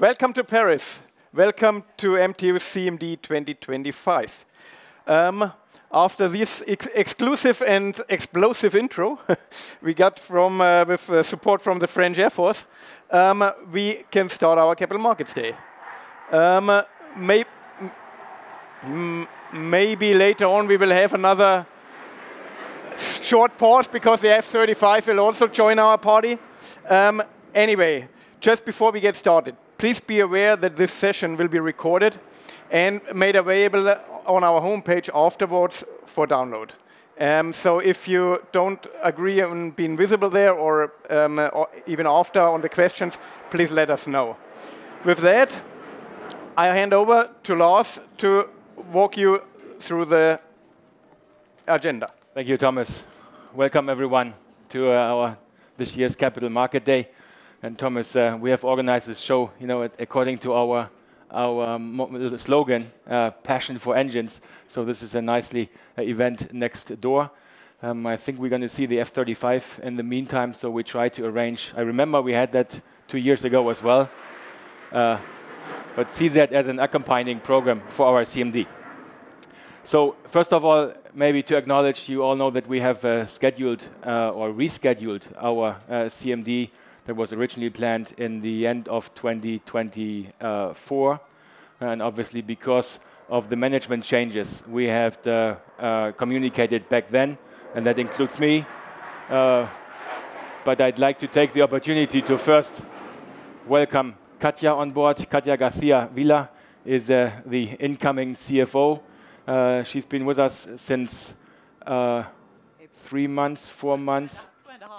Welcome to Paris. Welcome to MTU CMD 2025. After this exclusive and explosive intro we got from, with support from the French Air Force, we can start our Capital Markets Day. Maybe later on we will have another short pause because the F-35 will also join our party. Anyway, just before we get started, please be aware that this session will be recorded and made available on our homepage afterwards for download. If you don't agree on being visible there or even after on the questions, please let us know. With that, I hand over to Lars to walk you through the agenda. Thank you, Thomas. Welcome everyone to our this year's Capital Market Day. Thomas, we have organized this show, you know, according to our slogan, Passion for Engines, this is a nicely event next door. I think we're gonna see the F-35 in the meantime, we try to arrange. I remember we had that two years ago as well. See that as an accompanying program for our CMD. First of all, maybe to acknowledge, you all know that we have scheduled or rescheduled our CMD that was originally planned in the end of 2024. Obviously because of the management changes we have communicated back then, that includes me. I'd like to take the opportunity to first welcome Katja on board. Katja Garcia-Villa is the incoming CFO. She's been with us since April. Three months, four months.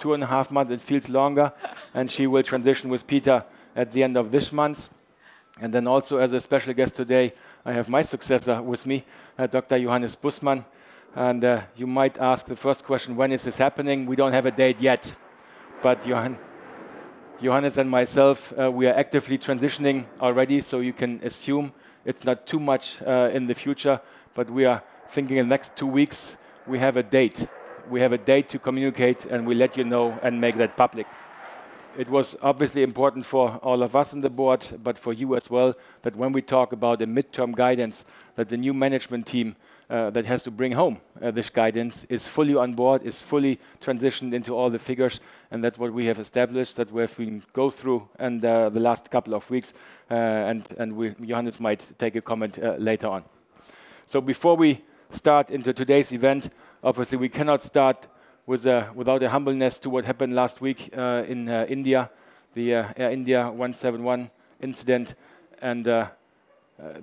Two and a half. Two and a half months. It feels longer. She will transition with Peter at the end of this month. Then also as a special guest today, I have my successor with me, Dr. Johannes Bussmann. You might ask the first question, when is this happening? We don't have a date yet. Johannes and myself, we are actively transitioning already, so you can assume it's not too much in the future. We are thinking in the next two weeks we have a date. We have a date to communicate, and we let you know and make that public. It was obviously important for all of us on the board, but for you as well, that when we talk about the midterm guidance, that the new management team that has to bring home this guidance is fully on board, is fully transitioned into all the figures, and that what we have established, that we have been go through in the last couple of weeks. Johannes might take a comment later on. Before we start into today's event, obviously we cannot start with without the humbleness to what happened last week in India, the Air India 171 incident.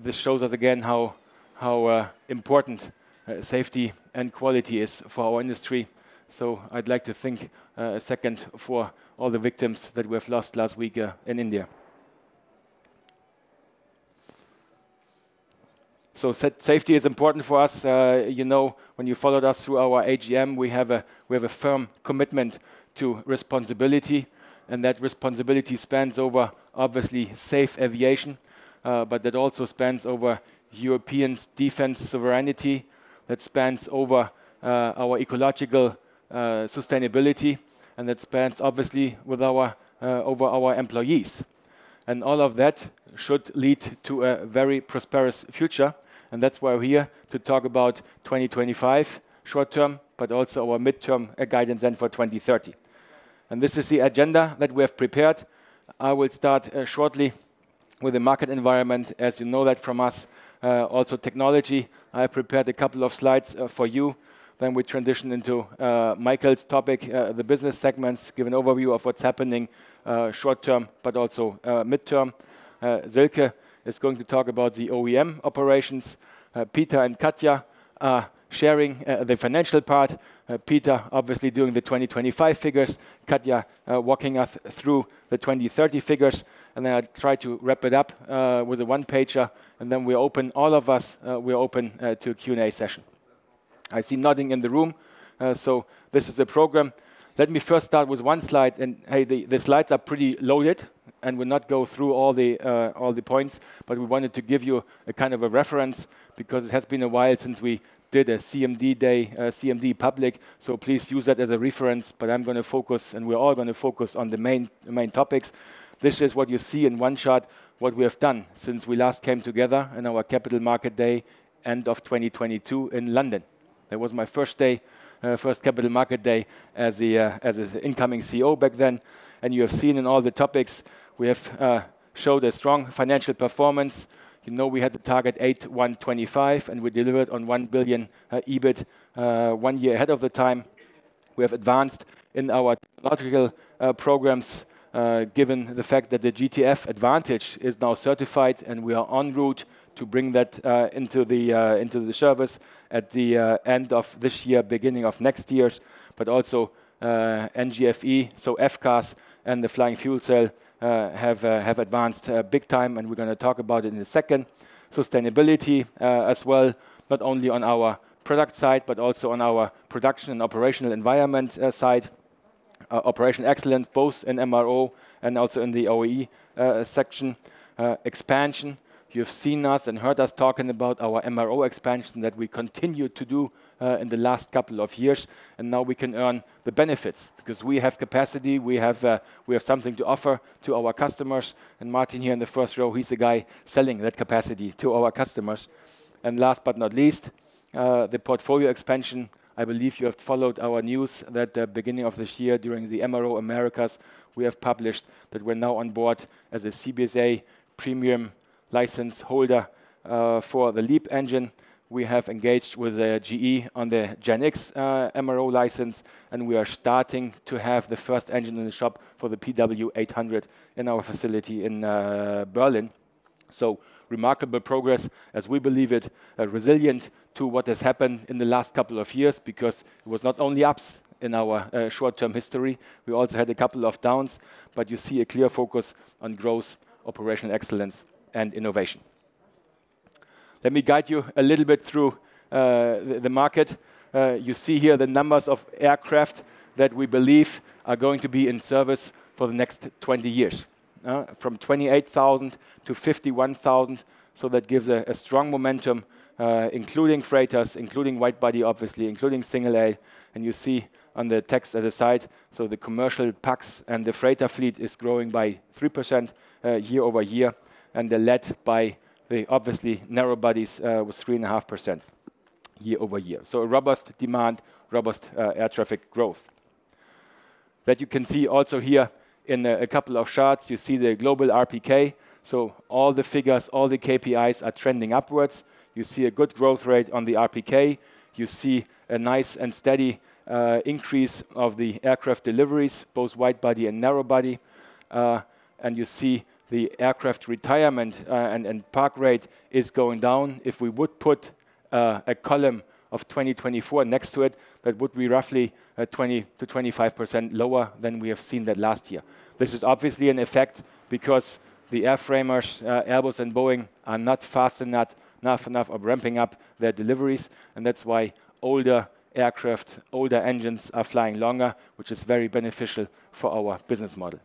This shows us again how important safety and quality is for our industry. I'd like to thank a second for all the victims that we have lost last week in India. Safety is important for us. You know, when you followed us through our AGM, we have a firm commitment to responsibility, and that responsibility spans over obviously safe aviation, but that also spans over European defense sovereignty, that spans over our ecological sustainability, and that spans obviously with our over our employees. All of that should lead to a very prosperous future, that's why we're here to talk about 2025 short term, but also our midterm guidance for 2030. This is the agenda that we have prepared. I will start shortly with the market environment, as you know that from us. Also technology, I prepared a couple of slides for you. We transition into Michael's topic, the business segments, give an overview of what's happening short term, but also midterm. Silke is going to talk about the OEM operations. Peter and Katja are sharing the financial part, Peter obviously doing the 2025 figures, Katja walking us through the 2030 figures, and then I try to wrap it up with a one-pager, and then we open, all of us, we open to a Q&A session. I see nodding in the room. This is the program. Let me first start with one slide. Hey, the slides are pretty loaded, and we'll not go through all the points. We wanted to give you a kind of a reference because it has been a while since we did a CMD day, a CMD public. Please use that as a reference. I'm going to focus, and we're all going to focus on the main topics. This is what you see in one shot, what we have done since we last came together in our Capital Market Day, end of 2022 in London. That was my first Capital Market Day as the incoming CEO back then. You have seen in all the topics we have showed a strong financial performance. You know, we had the target 8,1, 25, and we delivered on 1 billion EBIT one year ahead of the time. We have advanced in our technological programs, given the fact that the GTF Advantage is now certified and we are en route to bring that into the service at the end of this year, beginning of next year. Also, NGFE, so FCAS and the Flying Fuel Cell, have advanced big time, and we're gonna talk about it in a second. Sustainability as well, not only on our product side, but also on our production and operational environment side. Operation excellence both in MRO and also in the OE section. Expansion, you've seen us and heard us talking about our MRO expansion that we continued to do in the last couple of years, and now we can earn the benefits because we have capacity. We have, we have something to offer to our customers. Martin here in the first row, he's the guy selling that capacity to our customers. Last but not least, the portfolio expansion. I believe you have followed our news that at beginning of this year, during the MRO Americas, we have published that we're now on board as a CBSA premium license holder, for the LEAP engine. We have engaged with GE on the GEnx MRO license. We are starting to have the first engine in the shop for the PW800 in our facility in Berlin. Remarkable progress as we believe it, resilient to what has happened in the last two years because it was not only ups in our short-term history, we also had a couple of downs, but you see a clear focus on growth, operational excellence, and innovation. Let me guide you a little bit through the market. You see here the numbers of aircraft that we believe are going to be in service for the next 20 years. From 28,000 to 51,000, so that gives a strong momentum, including freighters, including wide-body obviously, including single-aisle. You see on the text at the side, so the commercial packs and the freighter fleet is growing by 3% year-over-year, and they're led by the obviously narrow bodies with 3.5% year-over-year. A robust demand, robust air traffic growth. You can see also here in a couple of charts, you see the global RPK. All the figures, all the KPIs are trending upwards. You see a good growth rate on the RPK. You see a nice and steady increase of the aircraft deliveries, both wide-body and narrow-body, and you see the aircraft retirement and park rate is going down. If we would put a column of 2024 next to it, that would be roughly at 20%-25% lower than we have seen that last year. This is obviously an effect because the airframers, Airbus and Boeing, are not fast and not enough of ramping up their deliveries, and that's why older aircraft, older engines are flying longer, which is very beneficial for our business model.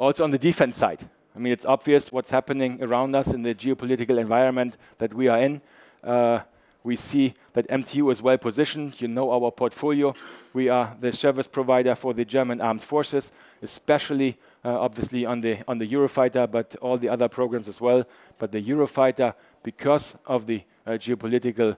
On the defense side, I mean, it's obvious what's happening around us in the geopolitical environment that we are in. We see that MTU is well positioned. You know our portfolio. We are the service provider for the German Armed Forces, especially, obviously on the Eurofighter, but all the other programs as well. The Eurofighter, because of the geopolitical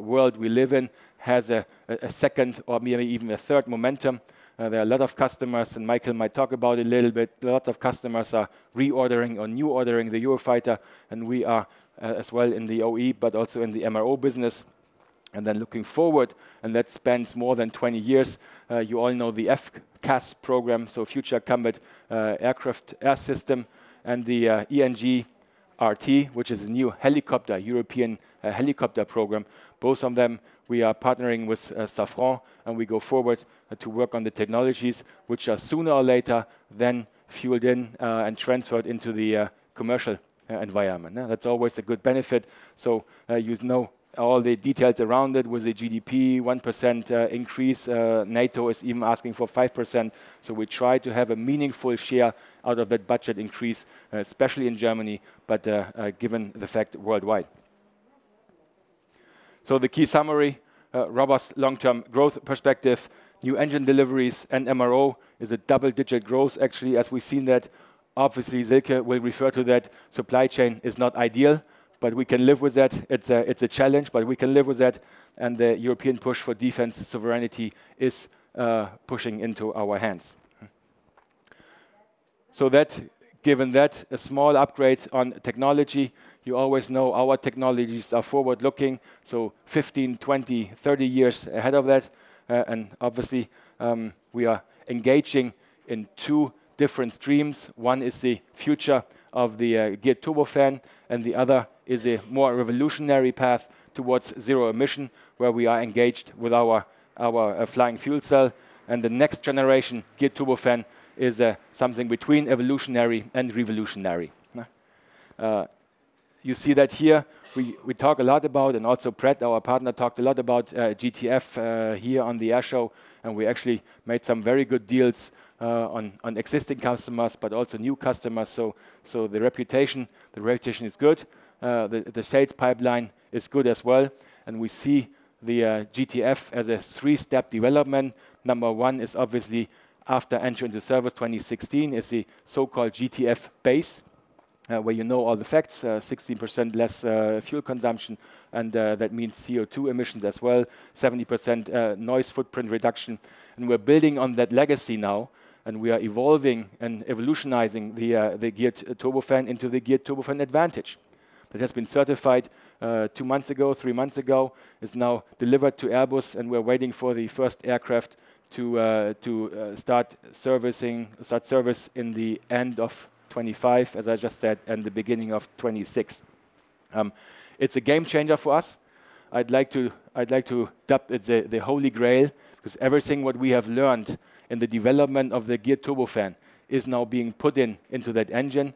world we live in, has a second or maybe even a third momentum. There are a lot of customers, and Michael might talk about a little bit. A lot of customers are reordering or new ordering the Eurofighter, and we are as well in the OE, but also in the MRO business. Looking forward, that spans more than 20 years, you all know the FCAS program, so Future Combat Aircraft Air System, and the ENGRT, which is a new helicopter, European helicopter program. Both of them, we are partnering with Safran, we go forward to work on the technologies which are sooner or later then fueled in and transferred into the commercial environment. That's always a good benefit. You know all the details around it with the GDP 1% increase. NATO is even asking for 5%. We try to have a meaningful share out of that budget increase, especially in Germany, but given the fact worldwide. The key summary, robust long-term growth perspective, new engine deliveries, and MRO is a double-digit growth actually, as we've seen that. Obviously, Silke will refer to that. Supply chain is not ideal, but we can live with that. It's a challenge, but we can live with that, and the European push for defense sovereignty is pushing into our hands. Given that, a small upgrade on technology, you always know our technologies are forward-looking, so 15, 20, 30 years ahead of that. Obviously, we are engaging in two different streams. One is the future of the Geared Turbofan, and the other is a more revolutionary path towards zero emission, where we are engaged with our Flying Fuel Cell. The next generation Geared Turbofan is something between evolutionary and revolutionary. You see that here. We talk a lot about, and also Pratt, our partner, talked a lot about GTF here on the air show. We actually made some very good deals on existing customers, but also new customers. So the reputation is good. The sales pipeline is good as well. We see the GTF as a three-step development. Number one is obviously after entering the service 2016 is the so-called GTF base, where you know all the facts, 16% less fuel consumption. That means CO2 emissions as well, 70% noise footprint reduction. We are building on that legacy now. We are evolving and evolutionizing the Geared Turbofan into the GTF Advantage. That has been certified, two months ago, three months ago, is now delivered to Airbus, and we're waiting for the first aircraft to start service in the end of 2025, as I just said, and the beginning of 2026. It's a game changer for us. I'd like to dub it the Holy Grail, 'cause everything what we have learned in the development of the geared turbofan is now being put into that engine.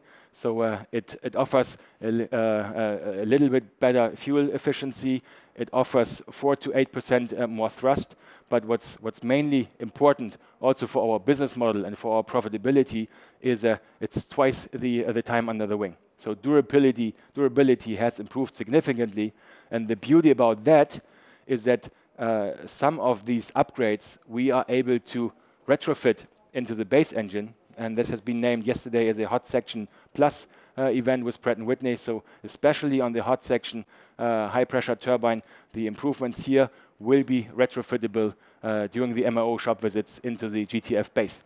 It offers a little bit better fuel efficiency. It offers 4%-8% more thrust, but what's mainly important also for our business model and for our profitability is it's twice the time under the wing. Durability has improved significantly, and the beauty about that is that some of these upgrades we are able to retrofit into the base engine, and this has been named yesterday as a Hot Section Plus event with Pratt & Whitney. Especially on the hot section, high pressure turbine, the improvements here will be retrofittable during the MRO shop visits into the GTF base.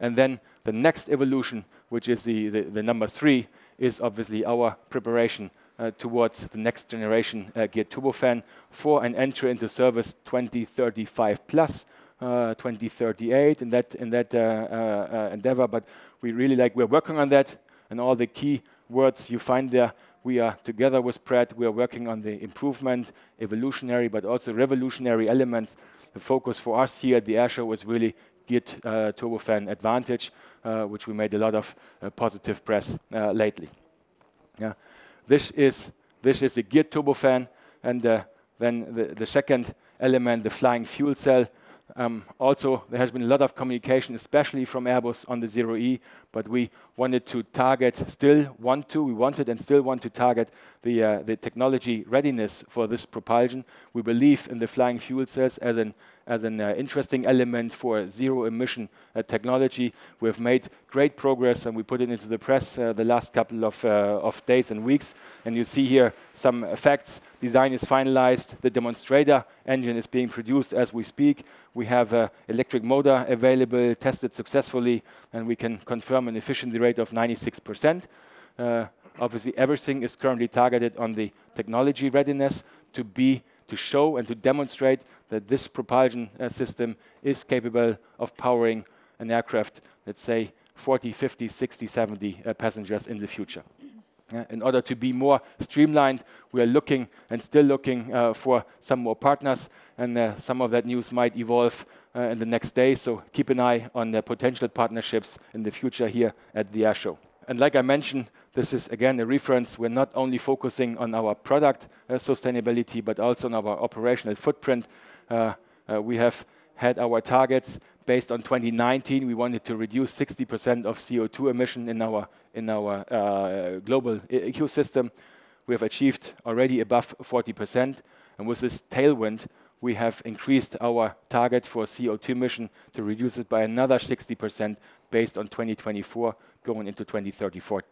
The next evolution, which is the number three, is obviously our preparation towards the next generation geared turbofan for an entry into service 2035 plus, 2038, and that endeavor. We really are working on that, and all the key words you find there, we are together with Pratt. We are working on the improvement, evolutionary but also revolutionary elements. The focus for us here at the airshow was really GTF Advantage, which we made a lot of positive press lately. This is a geared turbofan, and then the second element, the Flying Fuel Cell. Also, there has been a lot of communication, especially from Airbus on the ZEROe, but we wanted and still want to target the technology readiness for this propulsion. We believe in the Flying Fuel Cells as an interesting element for zero emission technology. We've made great progress, and we put it into the press the last couple of days and weeks, and you see here some effects. Design is finalized. The demonstrator engine is being produced as we speak. We have a electric motor available, tested successfully, and we can confirm an efficiency rate of 96%. Obviously, everything is currently targeted on the technology readiness to show and to demonstrate that this propulsion system is capable of powering an aircraft, let's say 40, 50, 60, 70 passengers in the future. Yeah. In order to be more streamlined, we are looking and still looking for some more partners, and some of that news might evolve in the next day, so keep an eye on the potential partnerships in the future here at the airshow. Like I mentioned, this is again a reference. We're not only focusing on our product sustainability, but also on our operational footprint. We have had our targets based on 2019. We wanted to reduce 60% of CO2 emission in our global ecosystem. We have achieved already above 40%. With this tailwind, we have increased our target for CO2 emission to reduce it by another 60% based on 2024 going into 2034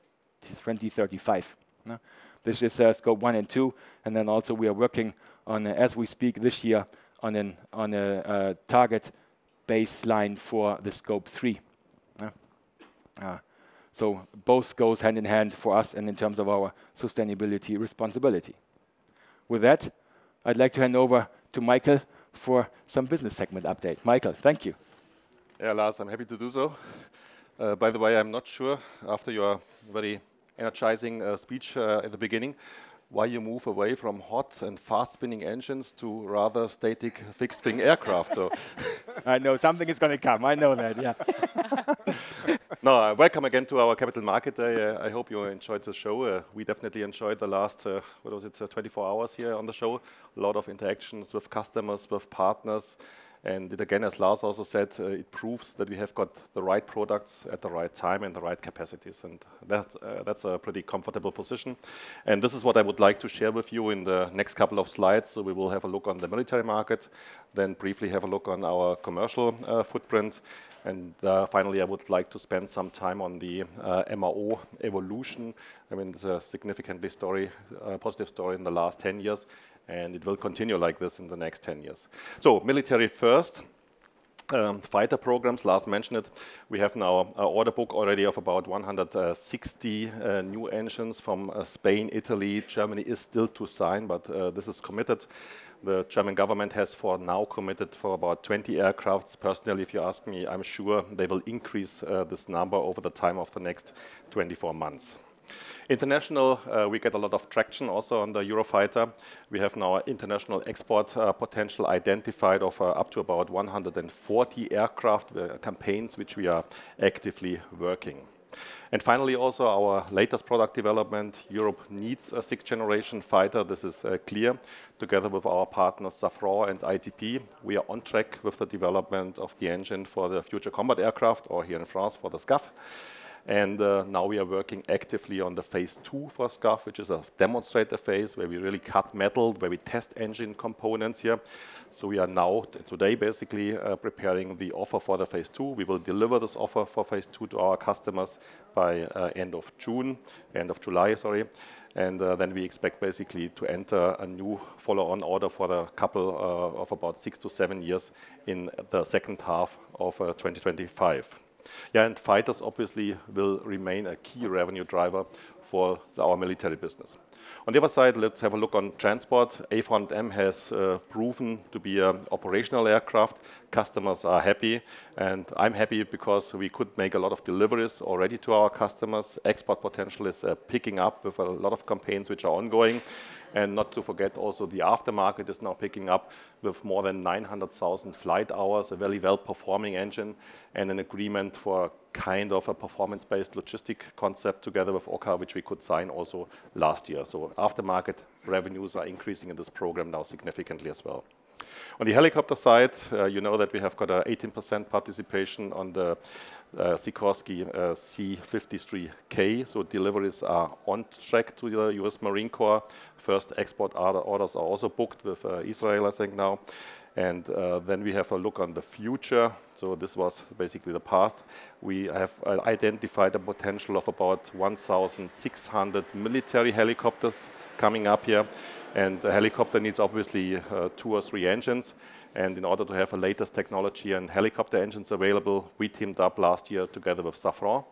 to 2035. Yeah. This is Scope one and two. Then also we are working on, as we speak this year, on a target baseline for the Scope three. Yeah. Both goes hand in hand for us and in terms of our sustainability responsibility. With that, I'd like to hand over to Michael for some business segment update. Michael, thank you. Lars, I'm happy to do so. By the way, I'm not sure after your very energizing speech at the beginning, why you move away from hot and fast-spinning engines to rather static fixed-wing aircraft so. I know something is gonna come. I know that, yeah. No, welcome again to our capital market. I hope you enjoyed the show. We definitely enjoyed the last, what was it, 24 hours here on the show. A lot of interactions with customers, with partners, and again, as Lars also said, it proves that we have got the right products at the right time and the right capacities, and that's a pretty comfortable position. This is what I would like to share with you in the next couple of slides. We will have a look on the military market, then briefly have a look on our commercial footprint, and finally, I would like to spend some time on the MRO evolution. I mean, it's a significantly story, positive story in the last 10 years, and it will continue like this in the next 10 years. Military first. Fighter programs, Lars mentioned it. We have now an order book already of about 160 new engines from Spain, Italy. Germany is still to sign, but this is committed. The German government has for now committed for about 20 aircrafts. Personally, if you ask me, I'm sure they will increase this number over the time of the next 24 months. International, we get a lot of traction also on the Eurofighter. We have now international export potential identified of up to about 140 aircraft campaigns, which we are actively working. Finally, also our latest product development, Europe needs a 6th generation fighter. This is clear. Together with our partners, Safran and ITP, we are on track with the development of the engine for the future combat aircraft or here in France for the SCAF. Now we are working actively on the phase two for SCAF, which is a demonstrator phase where we really cut metal, where we test engine components here. We are now today basically preparing the offer for the phase two. We will deliver this offer for phase two to our customers by end of June, end of July, sorry. We expect basically to enter a new follow-on order for the couple of about six to seven years in the second half of 2025. Fighters obviously will remain a key revenue driver for our military business. On the other side, let's have a look on transport. A400M has proven to be a operational aircraft. Customers are happy, and I'm happy because we could make a lot of deliveries already to our customers. Export potential is picking up with a lot of campaigns which are ongoing. Not to forget also, the aftermarket is now picking up with more than 900,000 flight hours, a very well-performing engine, and an agreement for kind of a performance-based logistic concept together with OCCAR, which we could sign also last year. Aftermarket revenues are increasing in this program now significantly as well. On the helicopter side, you know that we have got a 18% participation on the Sikorsky CH-53K, deliveries are on track to the United States Marine Corps. First export orders are also booked with Israel, I think now. When we have a look on the future, so this was basically the past, we have identified a potential of about 1,600 military helicopters coming up here, and a helicopter needs obviously two or three engines. In order to have the latest technology and helicopter engines available, we teamed up last year together with Safran.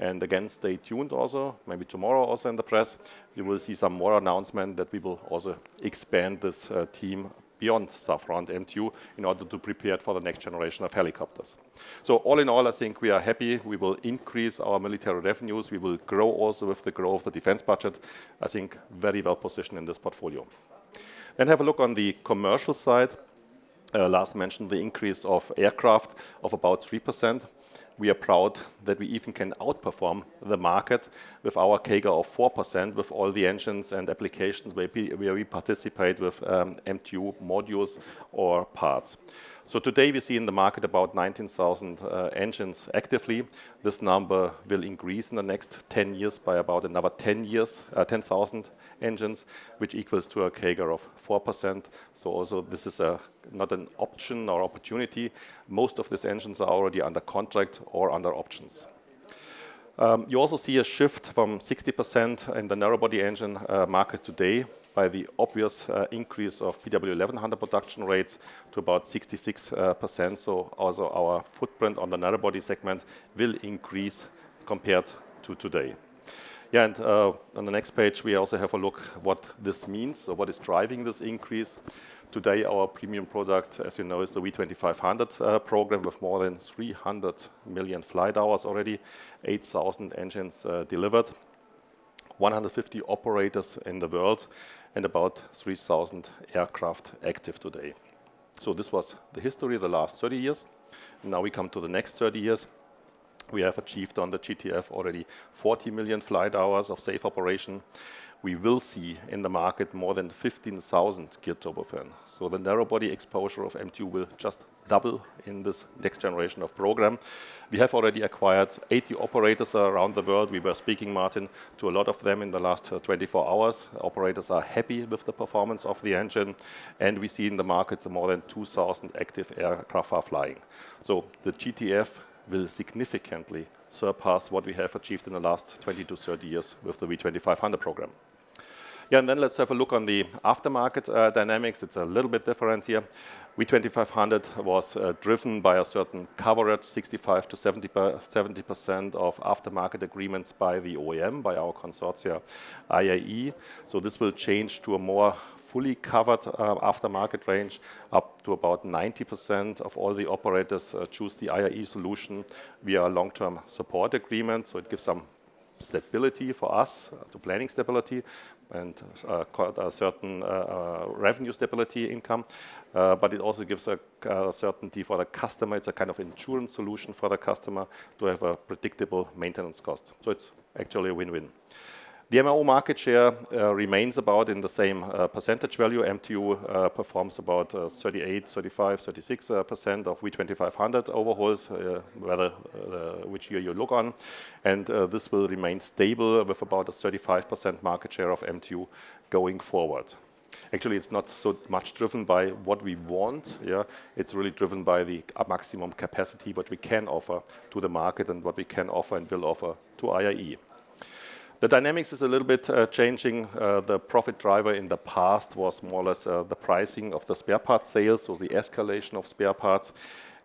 Again, stay tuned also, maybe tomorrow also in the press, you will see some more announcement that we will also expand this team beyond Safran and MTU Aero Engines in order to prepare for the next generation of helicopters. All in all, I think we are happy. We will increase our military revenues. We will grow also with the growth of the defense budget. I think very well positioned in this portfolio. Have a look on the commercial side. Lars mentioned the increase of aircraft of about 3%. We are proud that we even can outperform the market with our CAGR of 4% with all the engines and applications where we participate with MTU modules or parts. Today, we see in the market about 19,000 engines actively. This number will increase in the next 10 years by about another 10,000 engines, which equals to a CAGR of 4%. This is not an option or opportunity. Most of these engines are already under contract or under options. You also see a shift from 60% in the narrow body engine market today by the obvious increase of PW1100 production rates to about 66%. Our footprint on the narrow body segment will increase compared to today. On the next page, we also have a look what this means or what is driving this increase. Today, our premium product, as you know, is the V2500 program, with more than 300 million flight hours already, 8,000 engines delivered, 150 operators in the world, and about 3,000 aircraft active today. This was the history of the last 30 years. Now we come to the next 30 years. We have achieved on the GTF already 40 million flight hours of safe operation. We will see in the market more than 15,000 geared turbofan. The narrow body exposure of MTU will just double in this next generation of program. We have already acquired 80 operators around the world. We were speaking, Martin, to a lot of them in the last 24 hours. Operators are happy with the performance of the engine. We see in the market more than 2,000 active aircraft are flying. The GTF will significantly surpass what we have achieved in the last 20-30 years with the V2500 program. Let's have a look on the aftermarket dynamics. It's a little bit different here. V2500 was driven by a certain coverage, 65%-70% of aftermarket agreements by the OEM, by our consortia IAE. This will change to a more fully covered aftermarket range. Up to about 90% of all the operators choose the IAE solution via a long-term support agreement. It gives some stability for us to planning stability and certain revenue stability income. It also gives a certainty for the customer. It's a kind of insurance solution for the customer to have a predictable maintenance cost. It's actually a win-win. The MRO market share remains about in the same percentage value. MTU performs about 38%, 35%, 36% of V2500 overhauls, whether which year you look on. This will remain stable with about a 35% market share of MTU going forward. Actually, it's not so much driven by what we want, yeah. It's really driven by the maximum capacity what we can offer to the market and what we can offer and will offer to IAE. The dynamics is a little bit changing. The profit driver in the past was more or less the pricing of the spare parts sales, so the escalation of spare parts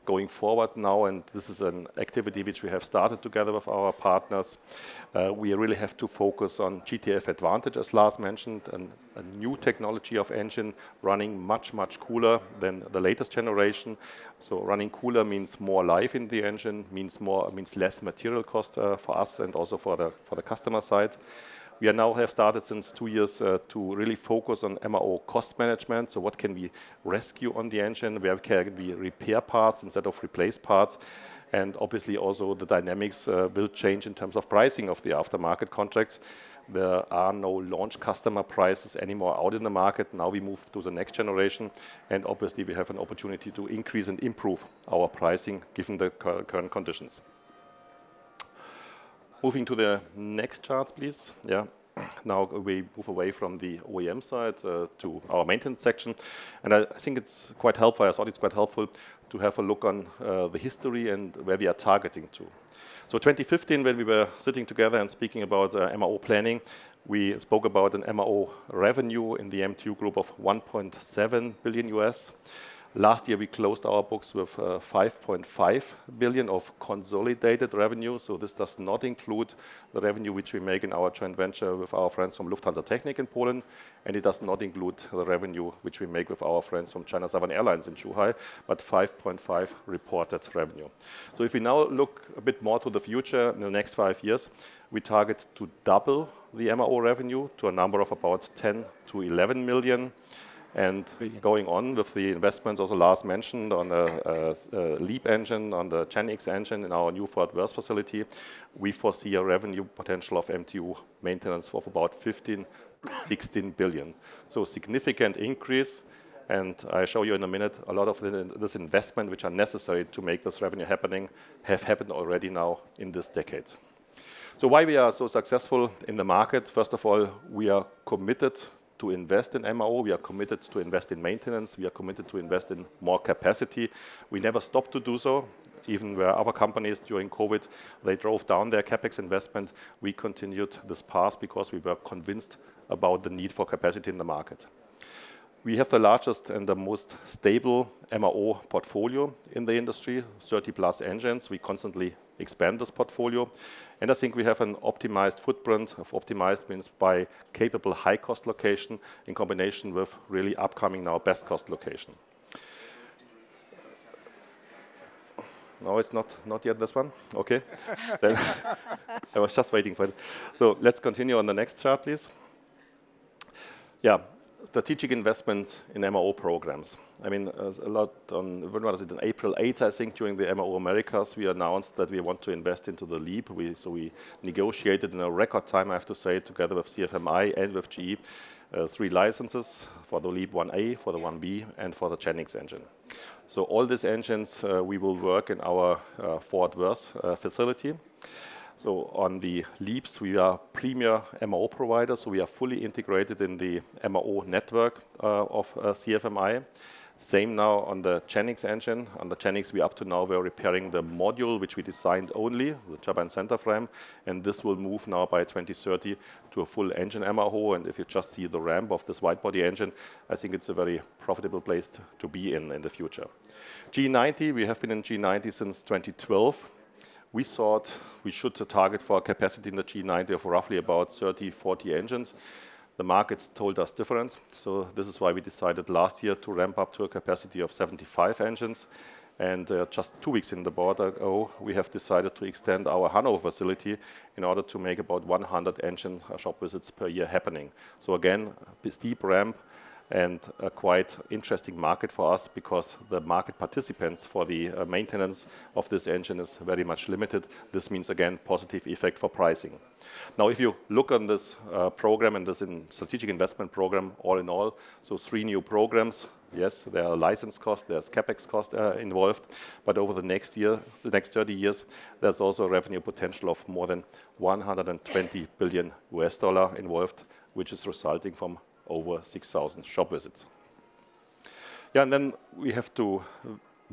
going forward now, and this is an activity which we have started together with our partners. We really have to focus on GTF Advantage, as Lars mentioned, and a new technology of engine running much, much cooler than the latest generation. Running cooler means more life in the engine, means less material cost for us and also for the customer side. We now have started since two years to really focus on MRO cost management, so what can we rescue on the engine? We repair parts instead of replace parts. Obviously also the dynamics will change in terms of pricing of the aftermarket contracts. There are no launch customer prices anymore out in the market. Now we move to the next generation, and obviously we have an opportunity to increase and improve our pricing given the current conditions. Moving to the next chart, please. Now we move away from the OEM side to our maintenance section, and I think it's quite helpful. I thought it's quite helpful to have a look on the history and where we are targeting to. 2015 when we were sitting together and speaking about MRO planning, we spoke about an MRO revenue in the MTU group of 1.7 billion. Last year we closed our books with 5.5 billion of consolidated revenue. This does not include the revenue which we make in our joint venture with our friends from Lufthansa Technik in Poland, and it does not include the revenue which we make with our friends from China Southern Airlines in Zhuhai, but 5.5 reported revenue. If we now look a bit more to the future in the next five years, we target to double the MRO revenue to a number of about 10 million-11 million. Going on with the investments also Lars mentioned on the LEAP engine, on the GEnx engine in our new Fort Worth facility, we foresee a revenue potential of MTU Maintenance of about 15 billion-16 billion. Significant increase, and I show you in a minute a lot of this investment which are necessary to make this revenue happening have happened already now in this decade. Why we are so successful in the market? First of all, we are committed to invest in MRO. We are committed to invest in maintenance. We are committed to invest in more capacity. We never stop to do so. Even where other companies during COVID, they drove down their CapEx investment, we continued this path because we were convinced about the need for capacity in the market. We have the largest and the most stable MRO portfolio in the industry, 30-plus engines. We constantly expand this portfolio, and I think we have an optimized footprint of optimized means by capable high-cost location in combination with really upcoming now best-cost location. No, it's not yet this one? Okay. I was just waiting for it. Let's continue on the next chart, please. Yeah. Strategic investments in MRO programs. I mean. When was it? In April 8, I think, during the MRO Americas, we announced that we want to invest into the LEAP. We negotiated in a record time, I have to say, together with CFMI and with GE, three licenses for the LEAP-1A, for the LEAP-1B, and for the GEnx engine. All these engines, we will work in our Fort Worth facility. On the LEAP, we are premier MRO provider, we are fully integrated in the MRO network of CFMI. Same now on the GEnx engine. On the GEnx, we up to now we're repairing the module which we designed only, the turbine center frame, and this will move now by 2030 to a full engine MRO. If you just see the ramp of this wide-body engine, I think it's a very profitable place to be in in the future. GE90, we have been in GE90 since 2012. We thought we should target for a capacity in the GE90 of roughly about 30, 40 engines. The market told us different, this is why we decided last year to ramp up to a capacity of 75 engines. Just two weeks in the board ago, we have decided to extend our Hannover facility in order to make about 100 engine shop visits per year happening. Again, this steep ramp and a quite interesting market for us because the market participants for the maintenance of this engine is very much limited. This means, again, positive effect for pricing. If you look on this program and this in strategic investment program all in all. 3 new programs. Yes, there are license costs, there's CapEx cost involved, over the next 30 years, there's also revenue potential of more than $120 billion involved, which is resulting from over 6,000 shop visits. We have to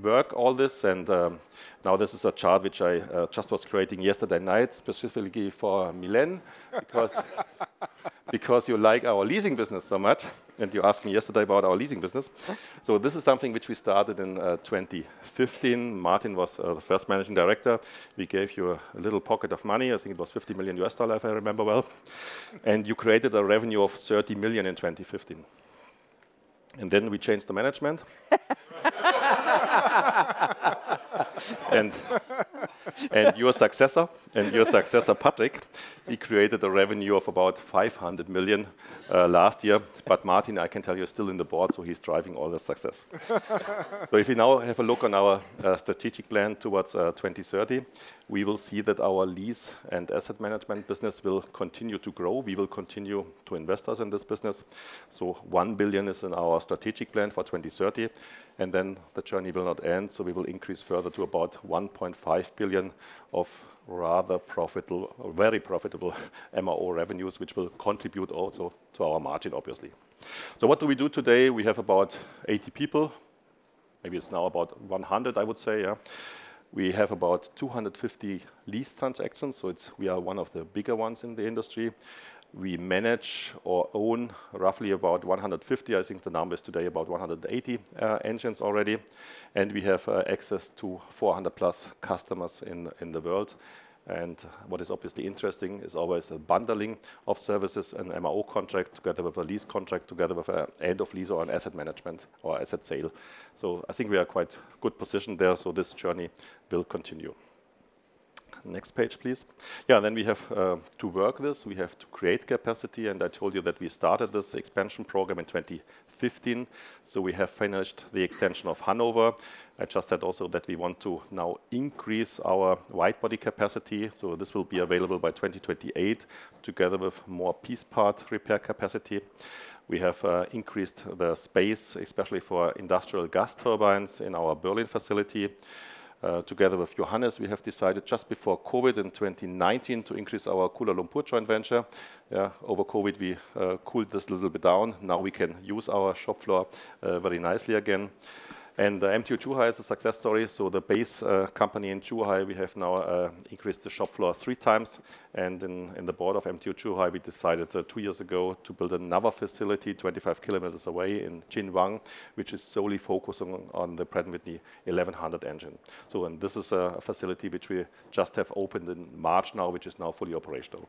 work all this. This is a chart which I just was creating yesterday night specifically for Milene. Because you like our leasing business so much, you asked me yesterday about our leasing business. This is something which we started in 2015. Martin was the first managing director. We gave you a little pocket of money. I think it was $50 million, if I remember well. You created a revenue of 30 million in 2015. Then we changed the management. Your successor, Patrick, he created a revenue of about 500 million last year. Martin, I can tell you, is still in the board, so he's driving all the success. If you now have a look on our strategic plan towards 2030, we will see that our lease and asset management business will continue to grow. We will continue to invest us in this business. 1 billion is in our strategic plan for 2030, the journey will not end, we will increase further to about 1.5 billion of rather profitable or very profitable MRO revenues, which will contribute also to our margin obviously. What do we do today? We have about 80 people. Maybe it's now about 100, I would say. Yeah. We have about 250 lease transactions, we are one of the bigger ones in the industry. We manage or own roughly about 150, I think the number is today, about 180 engines already. We have access to 400 plus customers in the world. What is obviously interesting is always a bundling of services and MRO contract together with a lease contract together with a end of lease or an asset management or asset sale. I think we are quite good positioned there, this journey will continue. Next page, please. Yeah, we have to work this. We have to create capacity. I told you that we started this expansion program in 2015. We have finished the extension of Hannover. I just said also that we want to now increase our wide body capacity. This will be available by 2028 together with more piece part repair capacity. We have increased the space, especially for industrial gas turbines in our Berlin facility. Together with Johannes, we have decided just before COVID in 2019 to increase our Kuala Lumpur joint venture. Over COVID, we cooled this a little bit down. Now we can use our shop floor very nicely again. The MTU Zhuhai is a success story. The base company in Zhuhai, we have now increased the shop floor 3x. In the board of MTU Zhuhai, we decided two years ago to build another facility 25km away in Jinwan, which is solely focused on the Pratt & Whitney 1100 engine. This is a facility which we just have opened in March now, which is now fully operational.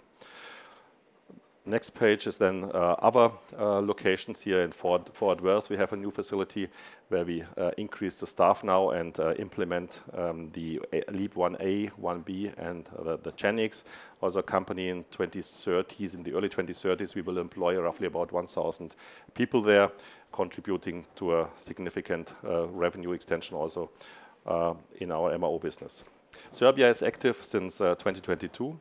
Next page is other locations here in Fort Worth. We have a new facility where we increase the staff now and implement the LEAP-1A, 1B and the GEnx. Also a company in 2030s. In the early 2030s, we will employ roughly about 1,000 people there, contributing to a significant revenue extension also in our MRO business. Serbia is active since 2022.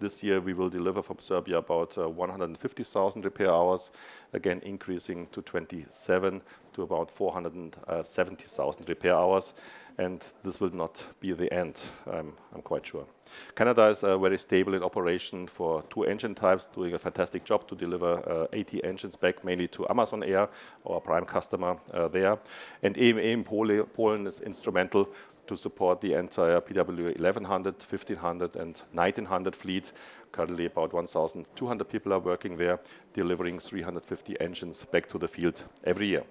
This year we will deliver from Serbia about 150,000 repair hours, again increasing to 2027 to about 470,000 repair hours, and this will not be the end, I'm quite sure. Canada is very stable in operation for two engine types, doing a fantastic job to deliver 80 engines back, mainly to Amazon Air, our prime customer there. EME Aero is instrumental to support the entire PW1100, 1500, and 1900 fleet. Currently, about 1,200 people are working there, delivering 350 engines back to the field every year.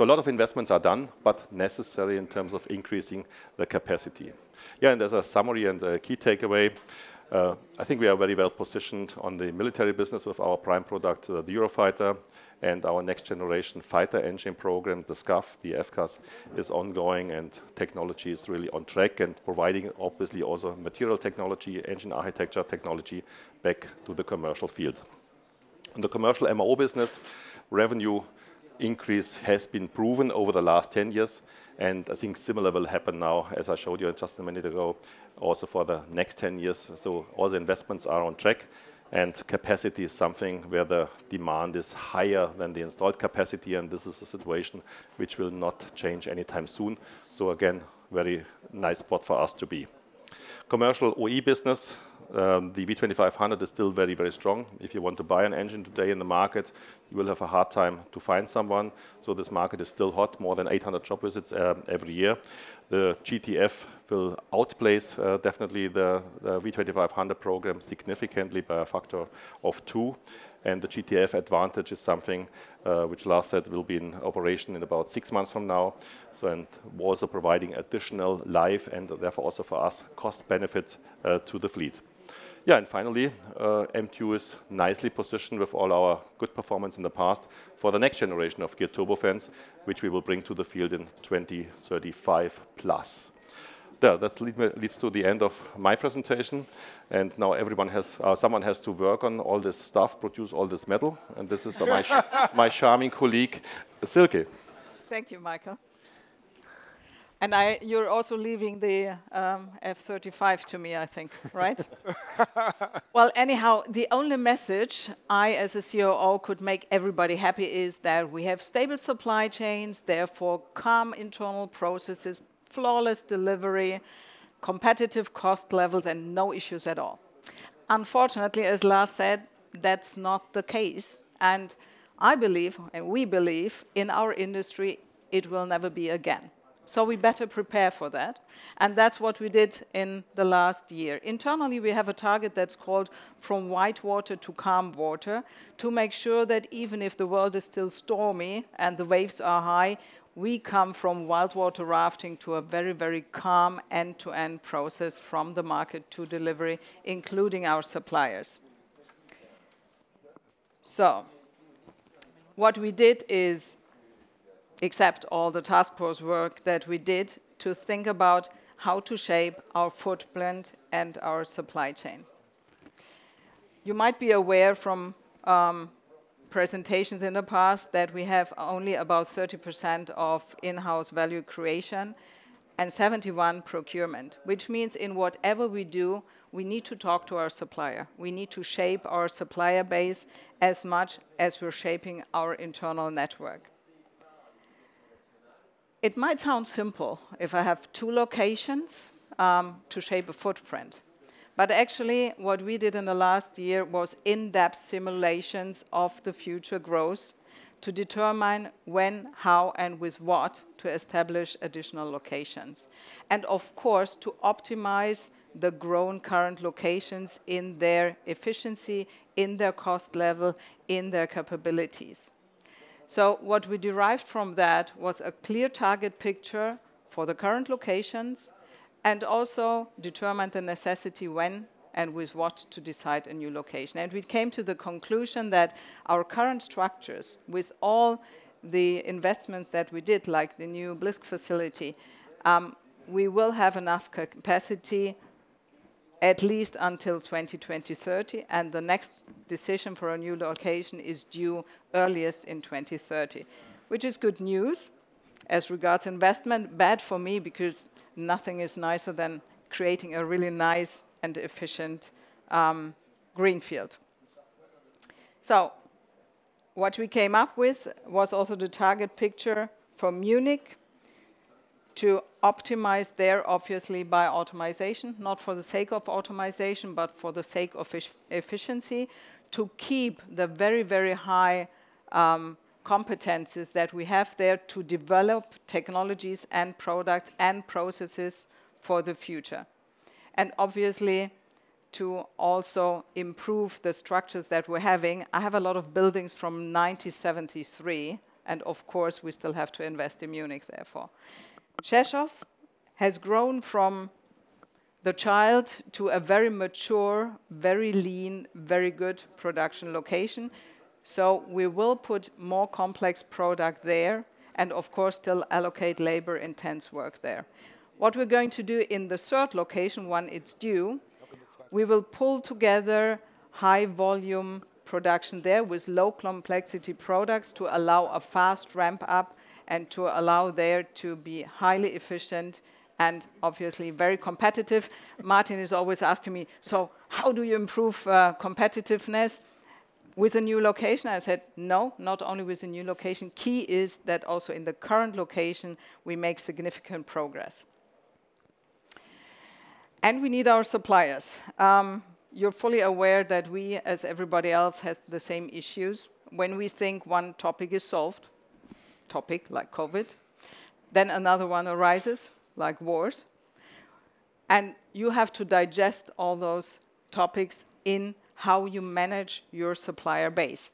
A lot of investments are done, but necessary in terms of increasing the capacity. As a summary and a key takeaway, I think we are very well positioned on the military business with our prime product, the Eurofighter, and our next generation fighter engine program, the SCAF, the FCAS is ongoing and technology is really on track and providing obviously also material technology, engine architecture technology back to the commercial field. In the commercial MRO business, revenue increase has been proven over the last 10 years, and I think similar will happen now, as I showed you just a minute ago, also for the next 10 years. All the investments are on track, and capacity is something where the demand is higher than the installed capacity, and this is a situation which will not change anytime soon. Again, very nice spot for us to be. Commercial OE business, the V2500 is still very, very strong. If you want to buy an engine today in the market, you will have a hard time to find someone. This market is still hot, more than 800 shop visits every year. The GTF will outpace definitely the V2500 program significantly by a factor of two, and the GTF Advantage is something which Lars said will be in operation in about six months from now, so and also providing additional life and therefore also for us cost benefits to the fleet. Finally, MTU is nicely positioned with all our good performance in the past for the next generation of geared turbofans, which we will bring to the field in 2035 plus. There, that leads to the end of my presentation. Now someone has to work on all this stuff, produce all this metal, and this is my charming colleague, Silke. Thank you, Michael. You're also leaving the F-35 to me, I think, right? Anyhow, the only message I as a COO could make everybody happy is that we have stable supply chains, therefore calm internal processes, flawless delivery, competitive cost levels, and no issues at all. Unfortunately, as Lars said, that's not the case. I believe, and we believe, in our industry, it will never be again. We better prepare for that, and that's what we did in the last year. Internally, we have a target that's called from white water to calm water to make sure that even if the world is still stormy and the waves are high, we come from white water rafting to a very, very calm end-to-end process from the market to delivery, including our suppliers. What we did is, except all the task force work that we did, to think about how to shape our footprint and our supply chain. You might be aware from presentations in the past that we have only about 30% of in-house value creation and 71 procurement, which means in whatever we do, we need to talk to our supplier. We need to shape our supplier base as much as we're shaping our internal network. It might sound simple if I have two locations to shape a footprint, but actually what we did in the last year was in-depth simulations of the future growth to determine when, how, and with what to establish additional locations, and of course, to optimize the grown current locations in their efficiency, in their cost level, in their capabilities. What we derived from that was a clear target picture for the current locations and also determine the necessity when and with what to decide a new location. We came to the conclusion that our current structures, with all the investments that we did, like the new Blisk facility, we will have enough capacity at least until 2030, and the next decision for a new location is due earliest in 2030, which is good news as regards investment. Bad for me because nothing is nicer than creating a really nice and efficient greenfield. What we came up with was also the target picture for Munich to optimize there, obviously by automation, not for the sake of automation, but for the sake of efficiency to keep the very, very high competencies that we have there to develop technologies and products and processes for the future. Obviously, to also improve the structures that we're having. I have a lot of buildings from 1973, and of course we still have to invest in Munich therefore. Rzeszów has grown from the child to a very mature, very lean, very good production location. We will put more complex product there and of course still allocate labor-intense work there. What we're going to do in the third location when it's due, we will pull together high volume production there with low complexity products to allow a fast ramp up and to allow there to be highly efficient and obviously very competitive. Martin is always asking me, "How do you improve competitiveness? With a new location?" I said, "No, not only with a new location. Key is that also in the current location, we make significant progress." We need our suppliers. You're fully aware that we, as everybody else, has the same issues. When we think one topic is solved, topic like COVID, then another one arises, like wars, and you have to digest all those topics in how you manage your supplier base.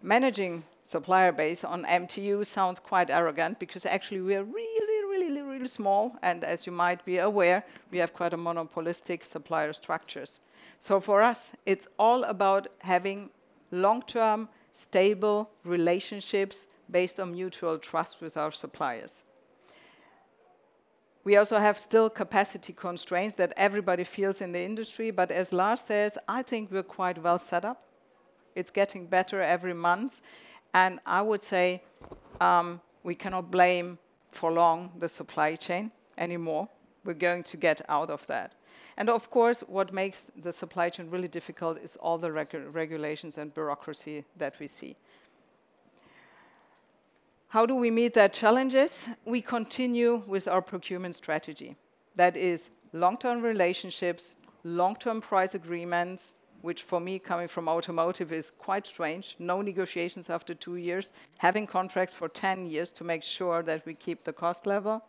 Managing supplier base on MTU sounds quite arrogant because actually we are really, really, really small, and as you might be aware, we have quite a monopolistic supplier structures. For us, it's all about having long-term, stable relationships based on mutual trust with our suppliers. We also have still capacity constraints that everybody feels in the industry, but as Lars says, I think we're quite well set up. It's getting better every month. I would say, we cannot blame for long the supply chain anymore. We're going to get out of that. Of course, what makes the supply chain really difficult is all the regulations and bureaucracy that we see. How do we meet the challenges? We continue with our procurement strategy. That is long-term relationships, long-term price agreements, which for me, coming from automotive, is quite strange. No negotiations after two years. Having contracts for 10 years to make sure that we keep the cost level,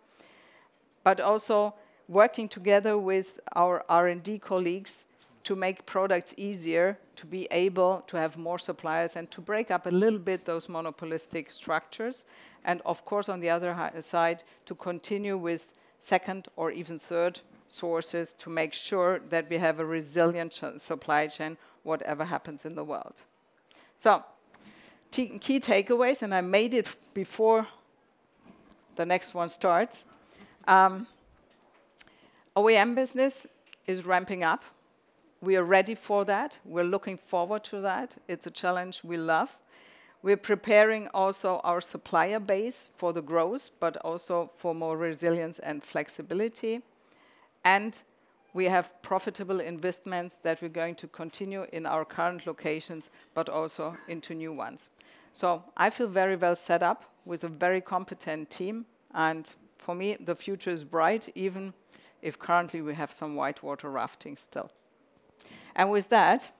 also working together with our R&D colleagues to make products easier, to be able to have more suppliers, and to break up a little bit those monopolistic structures. Of course, on the other side, to continue with second or even third sources to make sure that we have a resilient supply chain, whatever happens in the world. Key takeaways, I made it before the next one starts. OEM business is ramping up. We are ready for that. We're looking forward to that. It's a challenge we love. We're preparing also our supplier base for the growth, but also for more resilience and flexibility. We have profitable investments that we're going to continue in our current locations, but also into new ones. I feel very well set up with a very competent team, and for me, the future is bright, even if currently we have some white water rafting still. With that,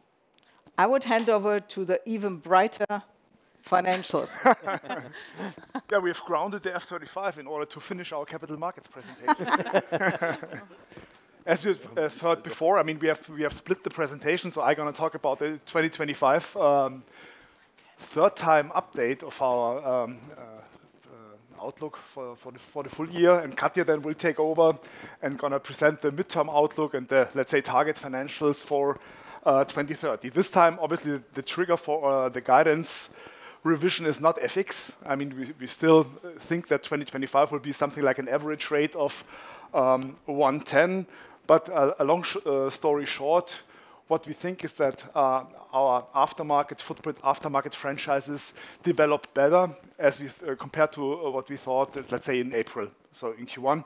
I would hand over to the even brighter financials. Yeah, we have grounded the F-35 in order to finish our capital markets presentation. As you have heard before, I mean, we have split the presentation, I'm gonna talk about the 2025 third time update of our outlook for the full year, and Katja then will take over and gonna present the midterm outlook and the target financials for 2030. This time, obviously, the trigger for the guidance revision is not FX. I mean, we still think that 2025 will be something like an average rate of 110. A long story short, what we think is that our aftermarket footprint, aftermarket franchises develop better as we compared to what we thought in April. In Q1,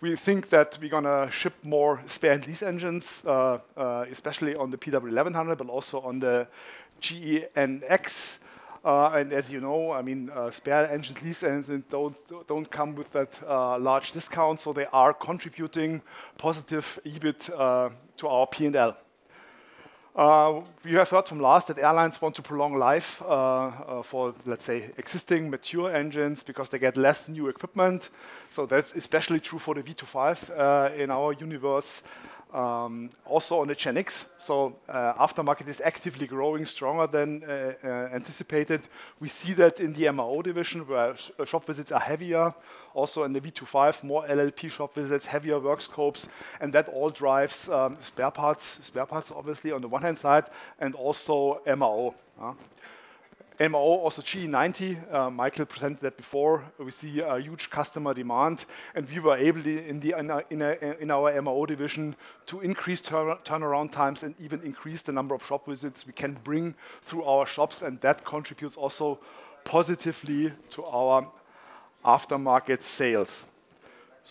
we think that we're gonna ship more spare lease engines, especially on the PW1100G-JM, but also on the GEnx. As you know, I mean, spare engine lease engines don't come with that large discount, so they are contributing positive EBIT to our P&L. You have heard from Lars that airlines want to prolong life for, let's say, existing mature engines because they get less new equipment, so that's especially true for the V25 in our universe, also on the GEnx. Aftermarket is actively growing stronger than anticipated. We see that in the MRO division, where shop visits are heavier. Also in the V25, more LLP shop visits, heavier work scopes, and that all drives spare parts obviously on the one hand side, and also MRO. MRO, also GE90, Michael presented that before. We see a huge customer demand, and we were able to in our MRO division to increase turnaround times and even increase the number of shop visits we can bring through our shops, and that contributes also positively to our aftermarket sales.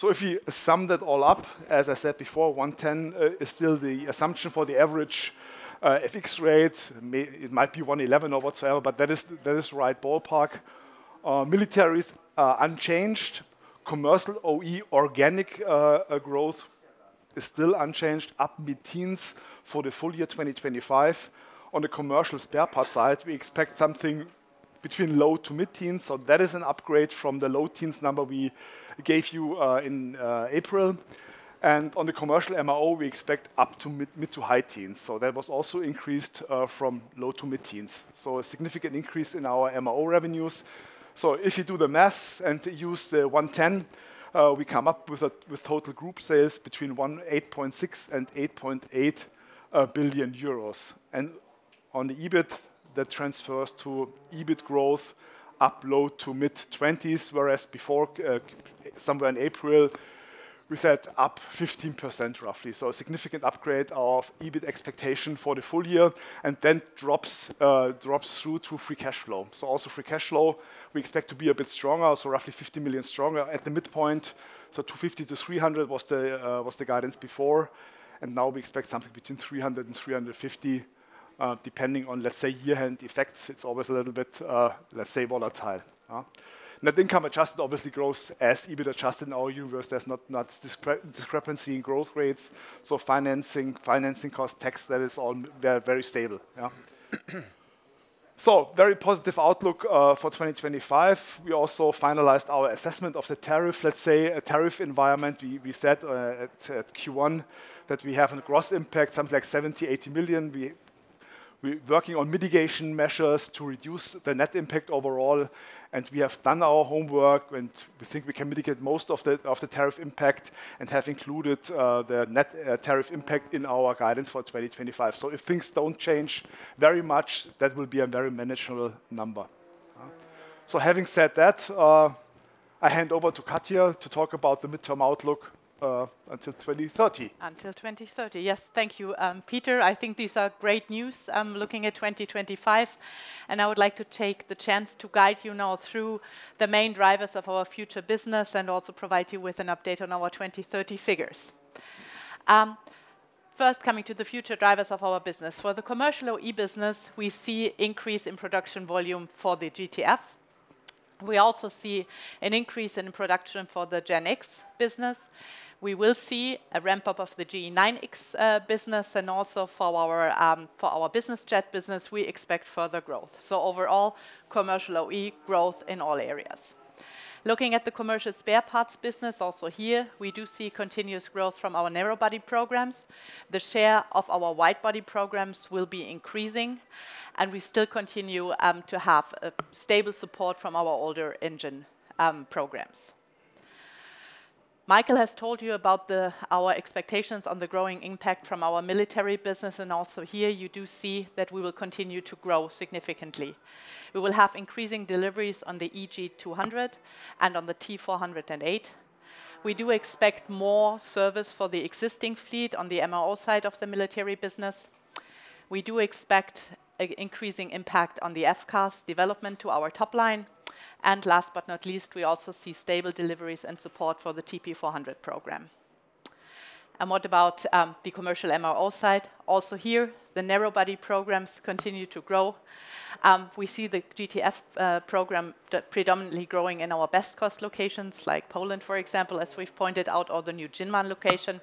If you sum that all up, as I said before, 1.10 is still the assumption for the average FX rate. It might be 1.11 or whatsoever, but that is, that is right ballpark. Militaries are unchanged. Commercial OE organic growth is still unchanged, up mid-teens for the full year, 2025. On the commercial spare parts side, we expect something between low to mid-teens. That is an upgrade from the low teens number we gave you in April. On the commercial MRO, we expect up to mid to high teens. That was also increased from low to mid-teens. A significant increase in our MRO revenues. If you do the maths and use the 110, we come up with total group sales between 8.6 billion and 8.8 billion euros. On the EBIT, that transfers to EBIT growth up low to mid-twenties, whereas before, somewhere in April, we said up 15% roughly. A significant upgrade of EBIT expectation for the full year and then drops through to free cash flow. Also free cash flow, we expect to be a bit stronger, roughly 50 million stronger at the midpoint. 250 million-300 million was the guidance before, and now we expect something between 300 million-350 million, depending on, let's say, year-end effects. It's always a little bit, let's say, volatile. Net income adjusted obviously grows as EBIT adjusted in our universe. There's not discrepancy in growth rates. Financing costs, tax, that is all very stable, yeah. Very positive outlook for 2025. We also finalized our assessment of the tariff, let's say a tariff environment. We said at Q1 that we have a gross impact, something like 70 million-80 million. We working on mitigation measures to reduce the net impact overall. We have done our homework, and we think we can mitigate most of the tariff impact and have included the net tariff impact in our guidance for 2025. If things don't change very much, that will be a very manageable number. Having said that, I hand over to Katja to talk about the midterm outlook until 2030. Until 2030. Yes. Thank you, Peter. I think these are great news, looking at 2025, I would like to take the chance to guide you now through the main drivers of our future business and also provide you with an update on our 2030 figures. First, coming to the future drivers of our business. For the commercial OE business, we see increase in production volume for the GTF. We also see an increase in production for the GEnx business. We will see a ramp-up of the GE9X business. Also for our business jet business, we expect further growth. Overall, commercial OE growth in all areas. Looking at the commercial spare parts business, also here we do see continuous growth from our narrow-body programs. The share of our wide body programs will be increasing, and we still continue to have a stable support from our older engine programs. Michael has told you about our expectations on the growing impact from our military business, and also here you do see that we will continue to grow significantly. We will have increasing deliveries on the EJ200 and on the T408. We do expect more service for the existing fleet on the MRO side of the military business. We do expect an increasing impact on the FCAS development to our top line. Last but not least, we also see stable deliveries and support for the TP400 program. What about the commercial MRO side? Also here, the narrow body programs continue to grow. We see the GTF program predominantly growing in our best cost locations, like Poland, for example, as we've pointed out, or the new Jinwan location.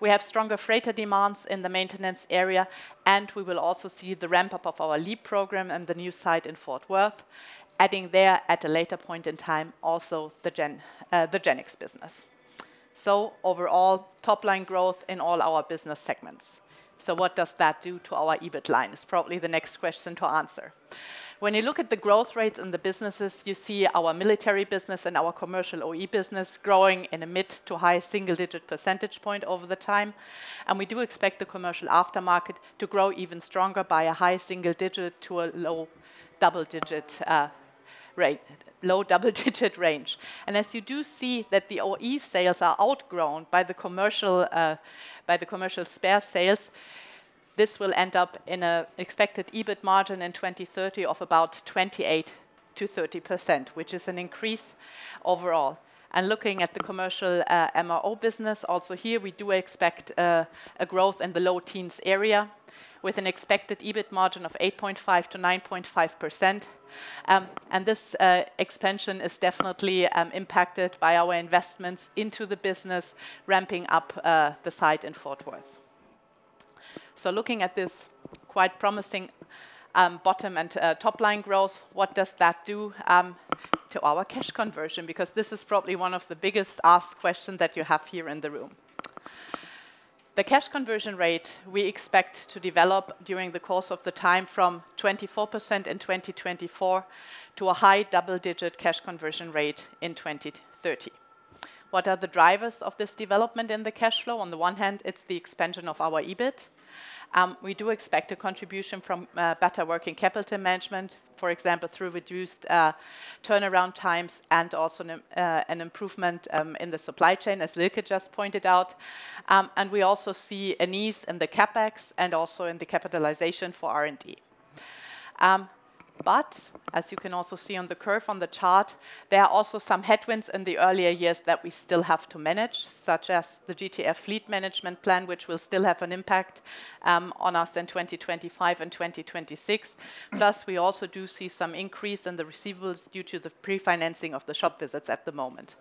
We have stronger freighter demands in the maintenance area, and we will also see the ramp-up of our LEAP program and the new site in Fort Worth, adding there at a later point in time also the GEnx business. Overall, top-line growth in all our business segments. What does that do to our EBIT line? Is probably the next question to answer. When you look at the growth rates in the businesses, you see our military business and our commercial OE business growing in a mid to high single-digit percentage point over the time. We do expect the commercial aftermarket to grow even stronger by a high single-digit to a low double-digit rate. Low double-digit range. As you do see that the OE sales are outgrown by the commercial, by the commercial spare sales, this will end up in an expected EBIT margin in 2030 of about 28%-30%, which is an increase overall. Looking at the commercial, MRO business, also here we do expect a growth in the low teens area with an expected EBIT margin of 8.5%-9.5%. This expansion is definitely impacted by our investments into the business ramping up the site in Fort Worth. Looking at this quite promising bottom and top-line growth, what does that do to our cash conversion? This is probably one of the biggest asked question that you have here in the room. The cash conversion rate we expect to develop during the course of the time from 24% in 2024 to a high double-digit cash conversion rate in 2030. What are the drivers of this development in the cash flow? On the one hand, it's the expansion of our EBIT. We do expect a contribution from better working capital management, for example, through reduced turnaround times and also an improvement in the supply chain, as Silke just pointed out. We also see a niche in the CapEx and also in the capitalization for R&D. As you can also see on the curve on the chart, there are also some headwinds in the earlier years that we still have to manage, such as the GTF fleet management plan, which will still have an impact on us in 2025 and 2026. We also do see some increase in the receivables due to the pre-financing of the shop visits at the moment.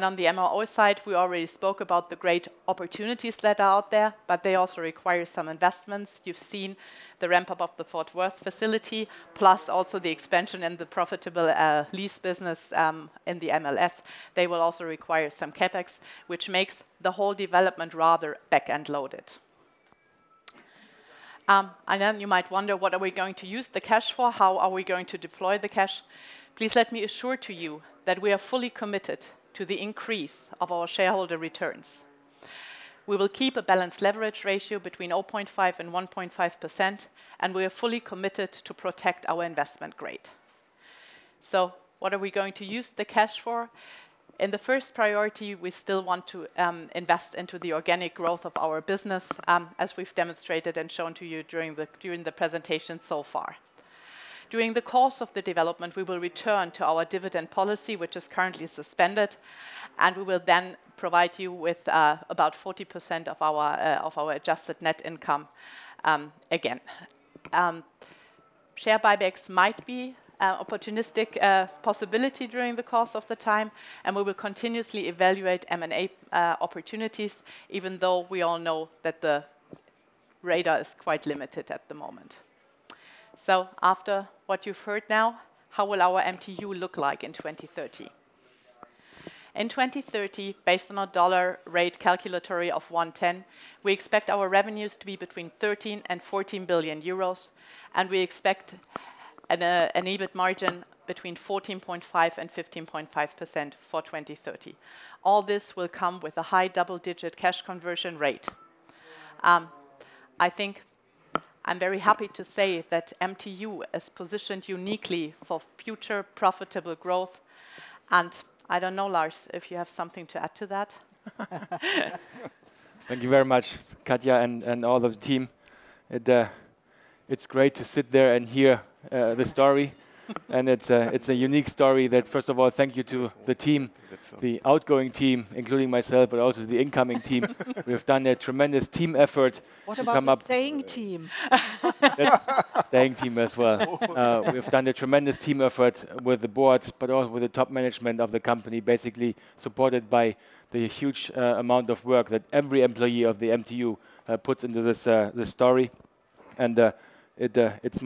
On the MRO side, we already spoke about the great opportunities that are out there, but they also require some investments. You've seen the ramp-up of the Fort Worth facility, plus also the expansion in the profitable lease business in the MLS. They will also require some CapEx, which makes the whole development rather back-end loaded. You might wonder, what are we going to use the cash for? How are we going to deploy the cash? Please let me assure to you that we are fully committed to the increase of our shareholder returns. We will keep a balanced leverage ratio between 0.5% and 1.5%, and we are fully committed to protect our investment grade. What are we going to use the cash for? In the first priority, we still want to invest into the organic growth of our business, as we've demonstrated and shown to you during the presentation so far. During the course of the development, we will return to our dividend policy, which is currently suspended, and we will then provide you with about 40% of our adjusted net income again. Share buybacks might be an opportunistic possibility during the course of the time, and we will continuously evaluate M&A opportunities, even though we all know that the radar is quite limited at the moment. After what you've heard now, how will our MTU look like in 2030? In 2030, based on our dollar rate calculatory of 1.10, we expect our revenues to be between 13 billion-14 billion euros, and we expect an EBIT margin between 14.5%-15.5% for 2030. All this will come with a high double-digit cash conversion rate. I think I'm very happy to say that MTU is positioned uniquely for future profitable growth, and I don't know, Lars, if you have something to add to that. Thank you very much, Katja and all the team. It's great to sit there and hear the story. It's a unique story that, first of all, thank you to the team. The outgoing team, including myself, but also the incoming team. We have done a tremendous team effort. What about the staying team? The staying team as well. We have done a tremendous team effort with the board, but also with the top management of the company, basically supported by the huge amount of work that every employee of the MTU puts into this story. It's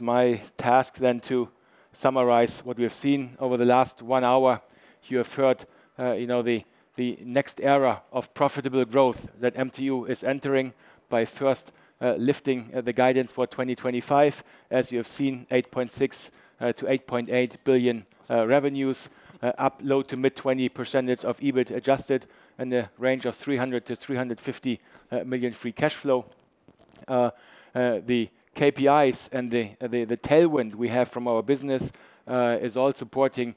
my task then to summarize what we have seen over the last one hour. You have heard, you know, the next era of profitable growth that MTU is entering by first lifting the guidance for 2025. As you have seen, 8.6 billion-8.8 billion revenues, up low to mid 20% of EBIT adjusted and a range of 300 million-350 million free cash flow. The KPIs and the tailwind we have from our business is all supporting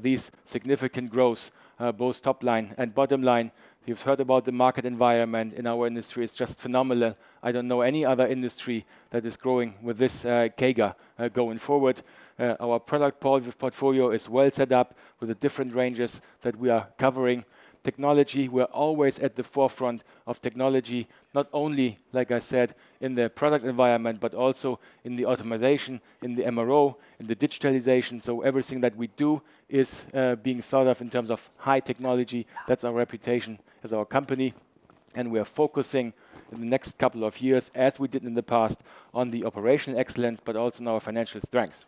these significant growth, both top line and bottom line. You've heard about the market environment in our industry. It's just phenomenal. I don't know any other industry that is growing with this CAGR going forward. Our product portfolio is well set up with the different ranges that we are covering. Technology, we are always at the forefront of technology, not only, like I said, in the product environment, but also in the automation, in the MRO, in the digitalization. Everything that we do is being thought of in terms of high technology. That's our reputation as our company, and we are focusing in the next couple of years, as we did in the past, on the operational excellence, but also in our financial strength.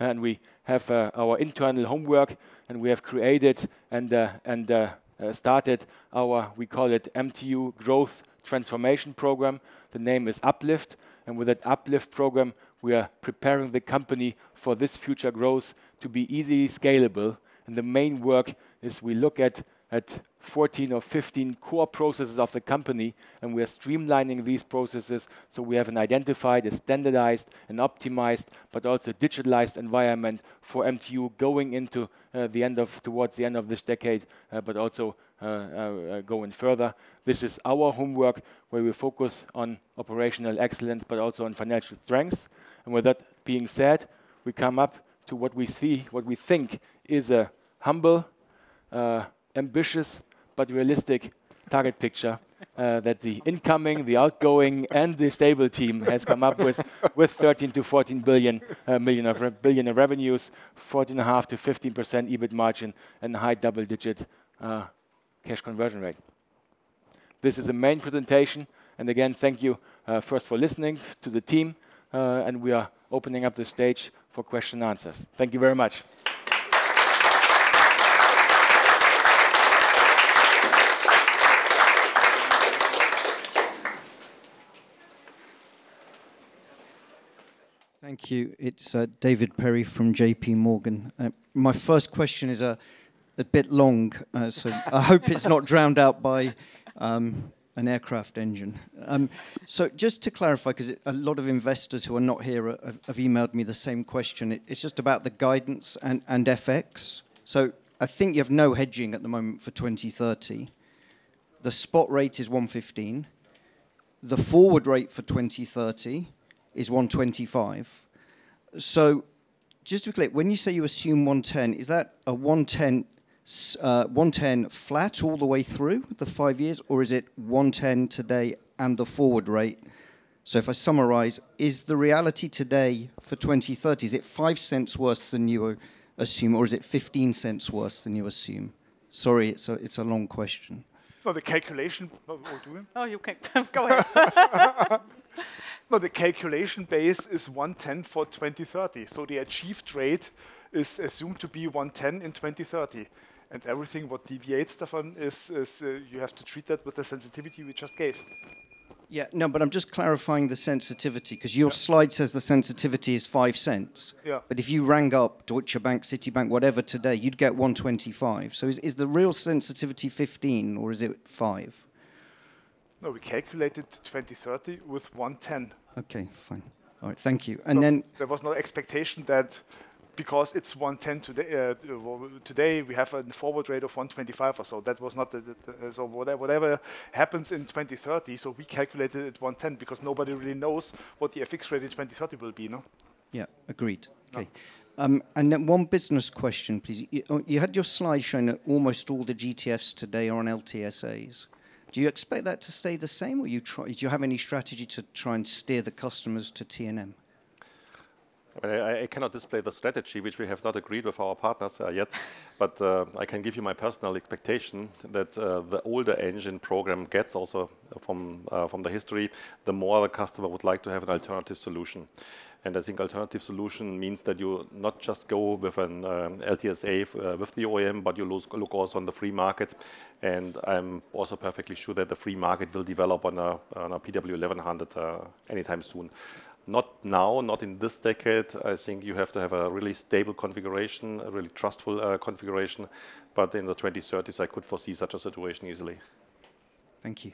We have our internal homework. We have created and started our, we call it MTU Growth Transformation Program. The name is UPLIFT. With that UPLIFT program, we are preparing the company for this future growth to be easily scalable. The main work is we look at 14 or 15 core processes of the company. We are streamlining these processes, so we have an identified, a standardized and optimized, but also digitalized environment for MTU going towards the end of this decade, but also going further. This is our homework, where we focus on operational excellence, but also on financial strengths. With that being said, we come up to what we see, what we think is a humble, ambitious, but realistic target picture that the incoming, the outgoing and the stable team has come up with 13 billion-14 billion in revenues, 14.5%-15% EBIT margin and high double-digit cash conversion rate. This is the main presentation. Again, thank you first for listening to the team. We are opening up the stage for question and answers. Thank you very much. Thank you. It's David Perry from JPMorgan. My first question is a bit long. I hope it's not drowned out by an aircraft engine. Just to clarify, 'cause a lot of investors who are not here have emailed me the same question. It's just about the guidance and FX. I think you have no hedging at the moment for 2030. The spot rate is 1.15. The forward rate for 2030 is 1.25. Just to be clear, when you say you assume 1.10, is that a 1.10 flat all the way through the five years? Or is it 1.10 today and the forward rate? If I summarize, is the reality today for 2030, is it 0.05 worse than you assume, or is it 0.15 worse than you assume? Sorry, it's a long question. No, the calculation. Oh, we're doing? Oh, you can. Go ahead. No, the calculation base is 110 for 2030, so the achieved rate is assumed to be 110 in 2030. Everything what deviates, Stefan, is you have to treat that with the sensitivity we just gave. Yeah. No, I'm just clarifying the sensitivity- Yeah 'cause your slide says the sensitivity is 0.05. Yeah. If you rang up Deutsche Bank, Citibank, whatever today, you'd get 125. Is the real sensitivity 15 or is it five? No, we calculated 2030 with 110. Okay, fine. All right. Thank you. There was no expectation that because it's 1.10 today, well, today we have a forward rate of 1.25 or so. That was not the. Whatever happens in 2030, we calculated it 1.10 because nobody really knows what the fixed rate in 2030 will be, no. Yeah, agreed. Okay. Okay. Then one business question, please. You had your slide showing that almost all the GTFs today are on LTSAs. Do you expect that to stay the same, or do you have any strategy to try and steer the customers to T&M? I cannot display the strategy, which we have not agreed with our partners yet. I can give you my personal expectation that the older engine program gets also from the history, the more the customer would like to have an alternative solution. I think alternative solution means that you not just go with an LTSA with the OEM, but you look also on the free market. I'm also perfectly sure that the free market will develop on a PW1100G-JM anytime soon. Not now, not in this decade. I think you have to have a really stable configuration, a really trustful configuration. In the 2030s, I could foresee such a situation easily. Thank you.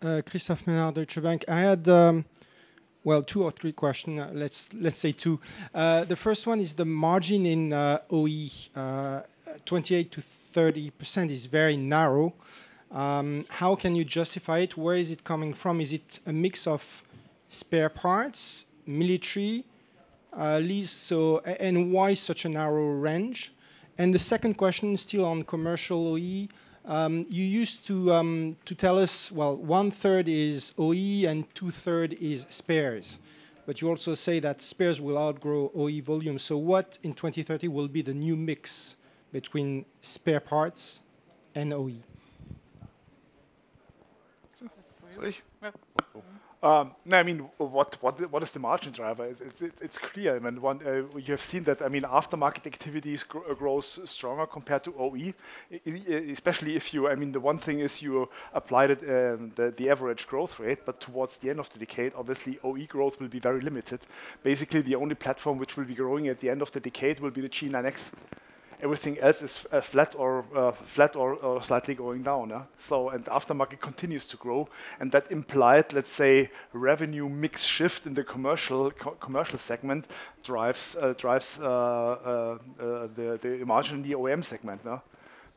Christophe Menard, Deutsche Bank. I had, well, two or three question. Let's say two. The first one is the margin in OE. 28%-30% is very narrow. How can you justify it? Where is it coming from? Is it a mix of spare parts, military, lease, so? Why such a narrow range? The second question, still on commercial OE, you used to tell us, well, 1/3 is OE and 2/3 is spares. You also say that spares will outgrow OE volume. What, in 2030, will be the new mix between spare parts and OE? I mean, what is the margin driver? It's clear. I mean, one, you have seen that, I mean, aftermarket activities grows stronger compared to OE. I mean, the one thing is you applied it, the average growth rate, but towards the end of the decade, obviously, OE growth will be very limited. Basically, the only platform which will be growing at the end of the decade will be the GE9X. Everything else is flat or slightly going down, so. Aftermarket continues to grow, and that implied, let's say, revenue mix shift in the commercial segment drives the margin in the OEM segment,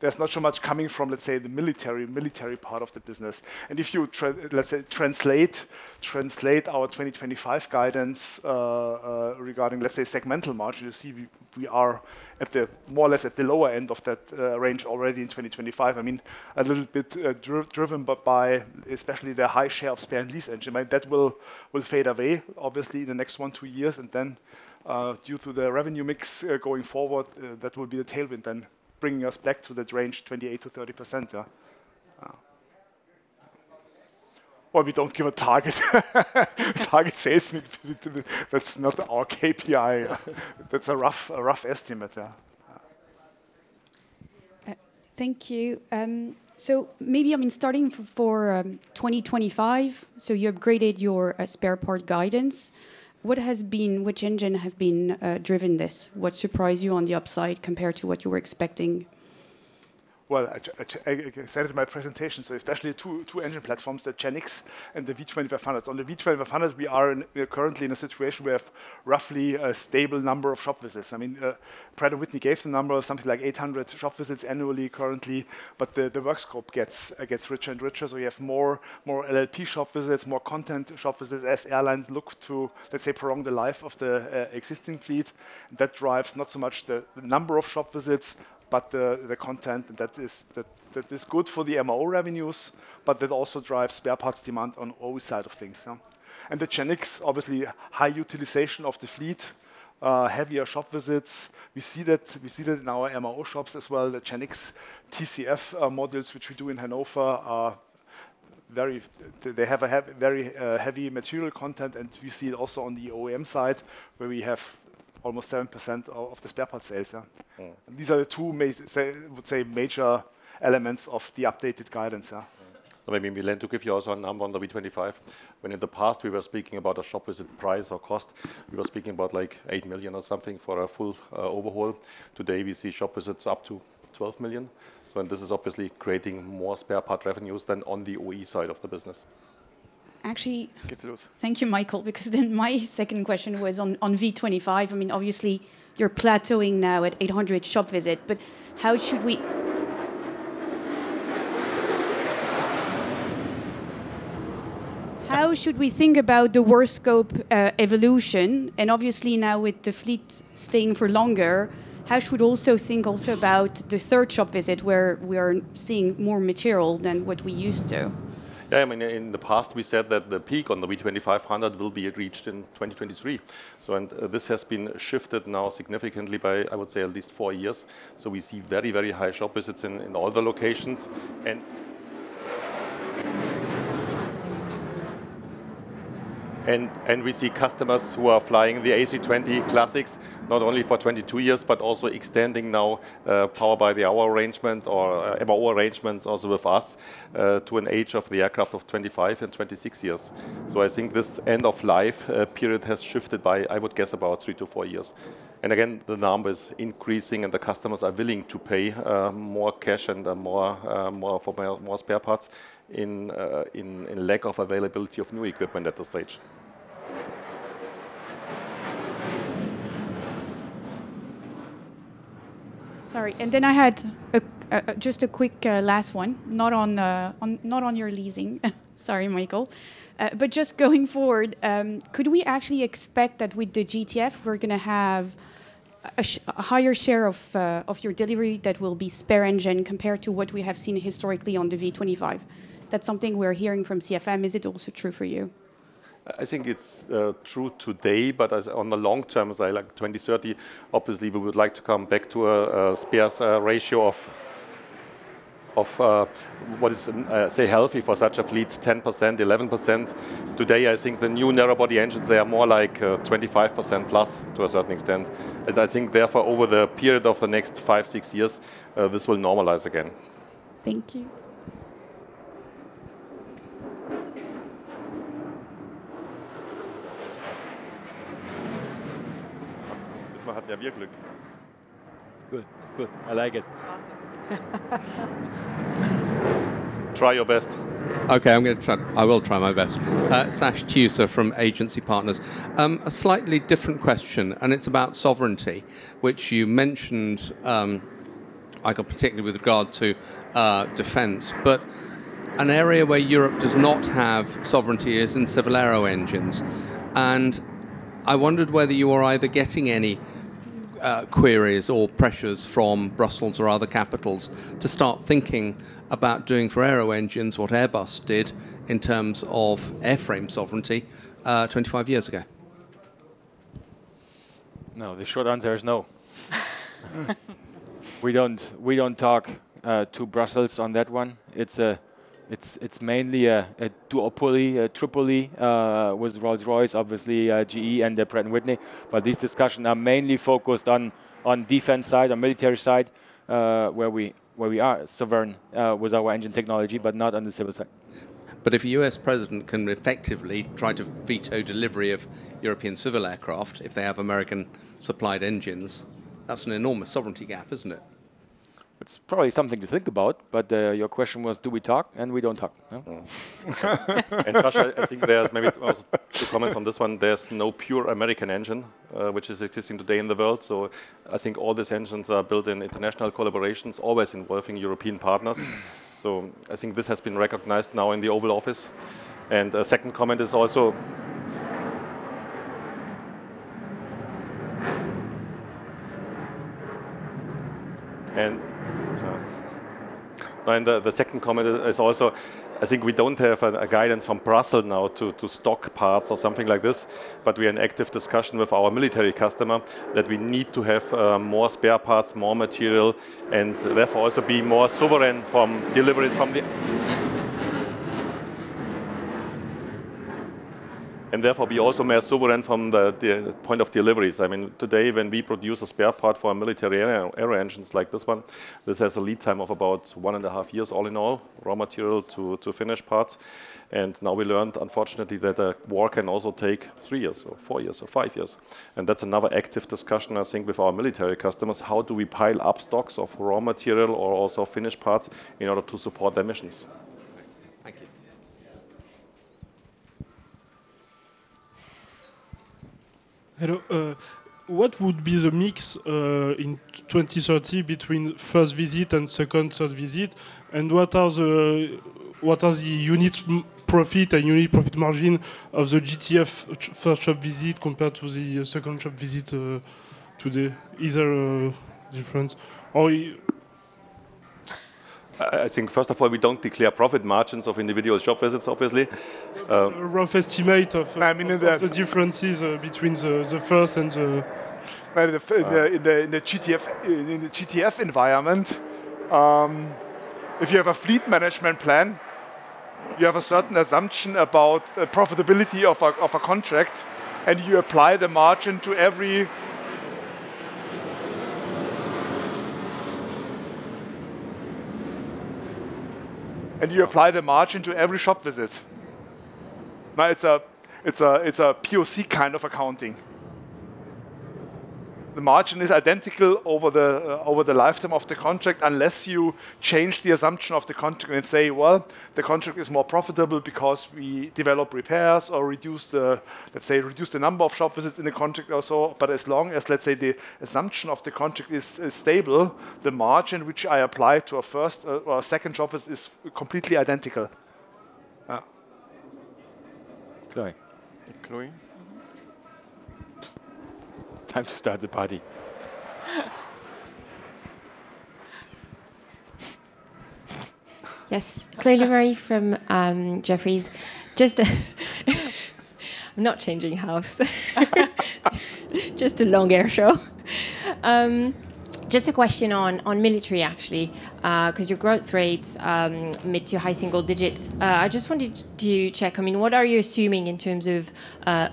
no? There's not so much coming from, let's say, the military part of the business. If you let's say, translate our 2025 guidance, regarding, let's say, segmental margin, you see we are at the, more or less at the lower end of that range already in 2025. I mean, a little bit driven, but by especially the high share of spare and lease engine. That will fade away, obviously, in the next one, two years. Then, due to the revenue mix, going forward, that will be a tailwind then, bringing us back to that range, 28%-30%. Well, we don't give a target. That's not our KPI. That's a rough estimate, yeah. Thank you. Maybe, I mean, starting for 2025, you upgraded your spare part guidance. Which engine have been driven this? What surprise you on the upside compared to what you were expecting? Well, I said it in my presentation, especially two engine platforms, the GEnx and the V2500. On the V2500 we are currently in a situation where we have roughly a stable number of shop visits. I mean, Pratt & Whitney gave the number of something like 800 shop visits annually currently, the work scope gets richer and richer, we have more LLP shop visits, more content shop visits as airlines look to, let's say, prolong the life of the existing fleet. That drives not so much the number of shop visits, the content that is good for the MRO revenues, that also drives spare parts demand on OE side of things, no? The GEnx, obviously high utilization of the fleet, heavier shop visits. We see that in our MRO shops as well. The GEnx TCF modules which we do in Hannover are very. They have a very heavy material content. We see it also on the OEM side, where we have almost 7% of the spare parts sales, yeah. Mm-hmm. These are the two I would say, major elements of the updated guidance, yeah. Maybe Milen to give you also a number on the V25. When in the past we were speaking about a shop visit price or cost, we were speaking about, like, 8 million or something for a full overhaul. Today, we see shop visits up to 12 million. This is obviously creating more spare part revenues than on the OE side of the business. Actually- Get to those. Thank you, Michael, because then my second question was on V25. I mean, obviously you're plateauing now at 800 shop visit, but how should we, how should we think about the work scope evolution, and obviously now with the fleet staying for longer, how should also think about the third shop visit where we are seeing more material than what we used to? I mean, in the past we said that the peak on the V2500 will be reached in 2023, and this has been shifted now significantly by, I would say, at least four years. We see very high shop visits in all the locations and we see customers who are flying the A320 Classics, not only for 22 years, but also extending now power by the hour arrangement or MRO arrangements also with us to an age of the aircraft of 25 and 26 years. I think this end of life period has shifted by, I would guess, about three to four years. Again, the numbers increasing and the customers are willing to pay more cash and more for more spare parts in lack of availability of new equipment at this stage. Sorry, I had a just a quick last one, not on, not on your leasing, sorry Michael. Just going forward, could we actually expect that with the GTF, we're going to have a higher share of your delivery that will be spare engine compared to what we have seen historically on the V25? That's something we're hearing from CFM. Is it also true for you? I think it's true today, but as on the long term as, like, 2030, obviously we would like to come back to a spares ratio of what is, say, healthy for such a fleet, 10%, 11%. Today, I think the new narrow body engines, they are more like 25% plus to a certain extent, and I think therefore over the period of the next five, six years, this will normalize again. Thank you. It's good. It's good. I like it. Try your best. Okay, I'm gonna try. I will try my best. Sash Tusa from Agency Partners. A slightly different question, and it's about sovereignty, which you mentioned, like, particularly with regard to defense. An area where Europe does not have sovereignty is in civil aero engines, and I wondered whether you are either getting any queries or pressures from Brussels or other capitals to start thinking about doing for aero engines what Airbus did in terms of airframe sovereignty, 25 years ago. No, the short answer is no. We don't talk to Brussels on that one. It's mainly a duopoly, a triopoly, with Rolls-Royce, obviously, GE, and Pratt & Whitney. These discussion are mainly focused on defense side, on military side, where we are sovereign with our engine technology, but not on the civil side. If a U.S. president can effectively try to veto delivery of European civil aircraft, if they have American supplied engines, that's an enormous sovereignty gap, isn't it? It's probably something to think about, but your question was do we talk, and we don't talk. No. Sash, I think there's maybe two comments on this one. There's no pure American engine which is existing today in the world. I think all these engines are built in international collaborations, always involving European partners. I think this has been recognized now in the Oval Office. The second comment is also I think we don't have a guidance from Brussels now to stock parts or something like this, but we are in active discussion with our military customer that we need to have more spare parts, more material, and therefore also be more sovereign from deliveries. And therefore we also may have sovereign from the point of deliveries. I mean, today, when we produce a spare part for a military aero engines like this one, this has a lead time of about one and a half years all in all, raw material to finished parts. Now we learned unfortunately that a war can also take three years or four years or five years. That's another active discussion I think with our military customers. How do we pile up stocks of raw material or also finished parts in order to support their missions? Thank you. Hello. What would be the mix in 2030 between first visit and second, third visit, and what are the unit profit and unit profit margin of the GTF first shop visit compared to the second shop visit? Is there a difference? I think first of all, we don't declare profit margins of individual shop visits, obviously. Rough estimate of the differences between the first and the. Well, the GTF in the GTF environment, if you have a fleet management plan, you have a certain assumption about the profitability of a contract, you apply the margin to every shop visit, right? It's a POC kind of accounting. The margin is identical over the over the lifetime of the contract unless you change the assumption of the contract and say, "Well, the contract is more profitable because we develop repairs or reduce the, let's say, reduce the number of shop visits in the contract also." As long as, let's say, the assumption of the contract is stable, the margin which I apply to a first or a second shop visit is completely identical. Chloe. Chloe. Time to start the party. Yes. Chloé Lemarié from Jefferies. I'm not changing house. Just a long air show. Just a question on military, actually, 'cause your growth rate's mid to high single digits. I just wanted to check, I mean, what are you assuming in terms of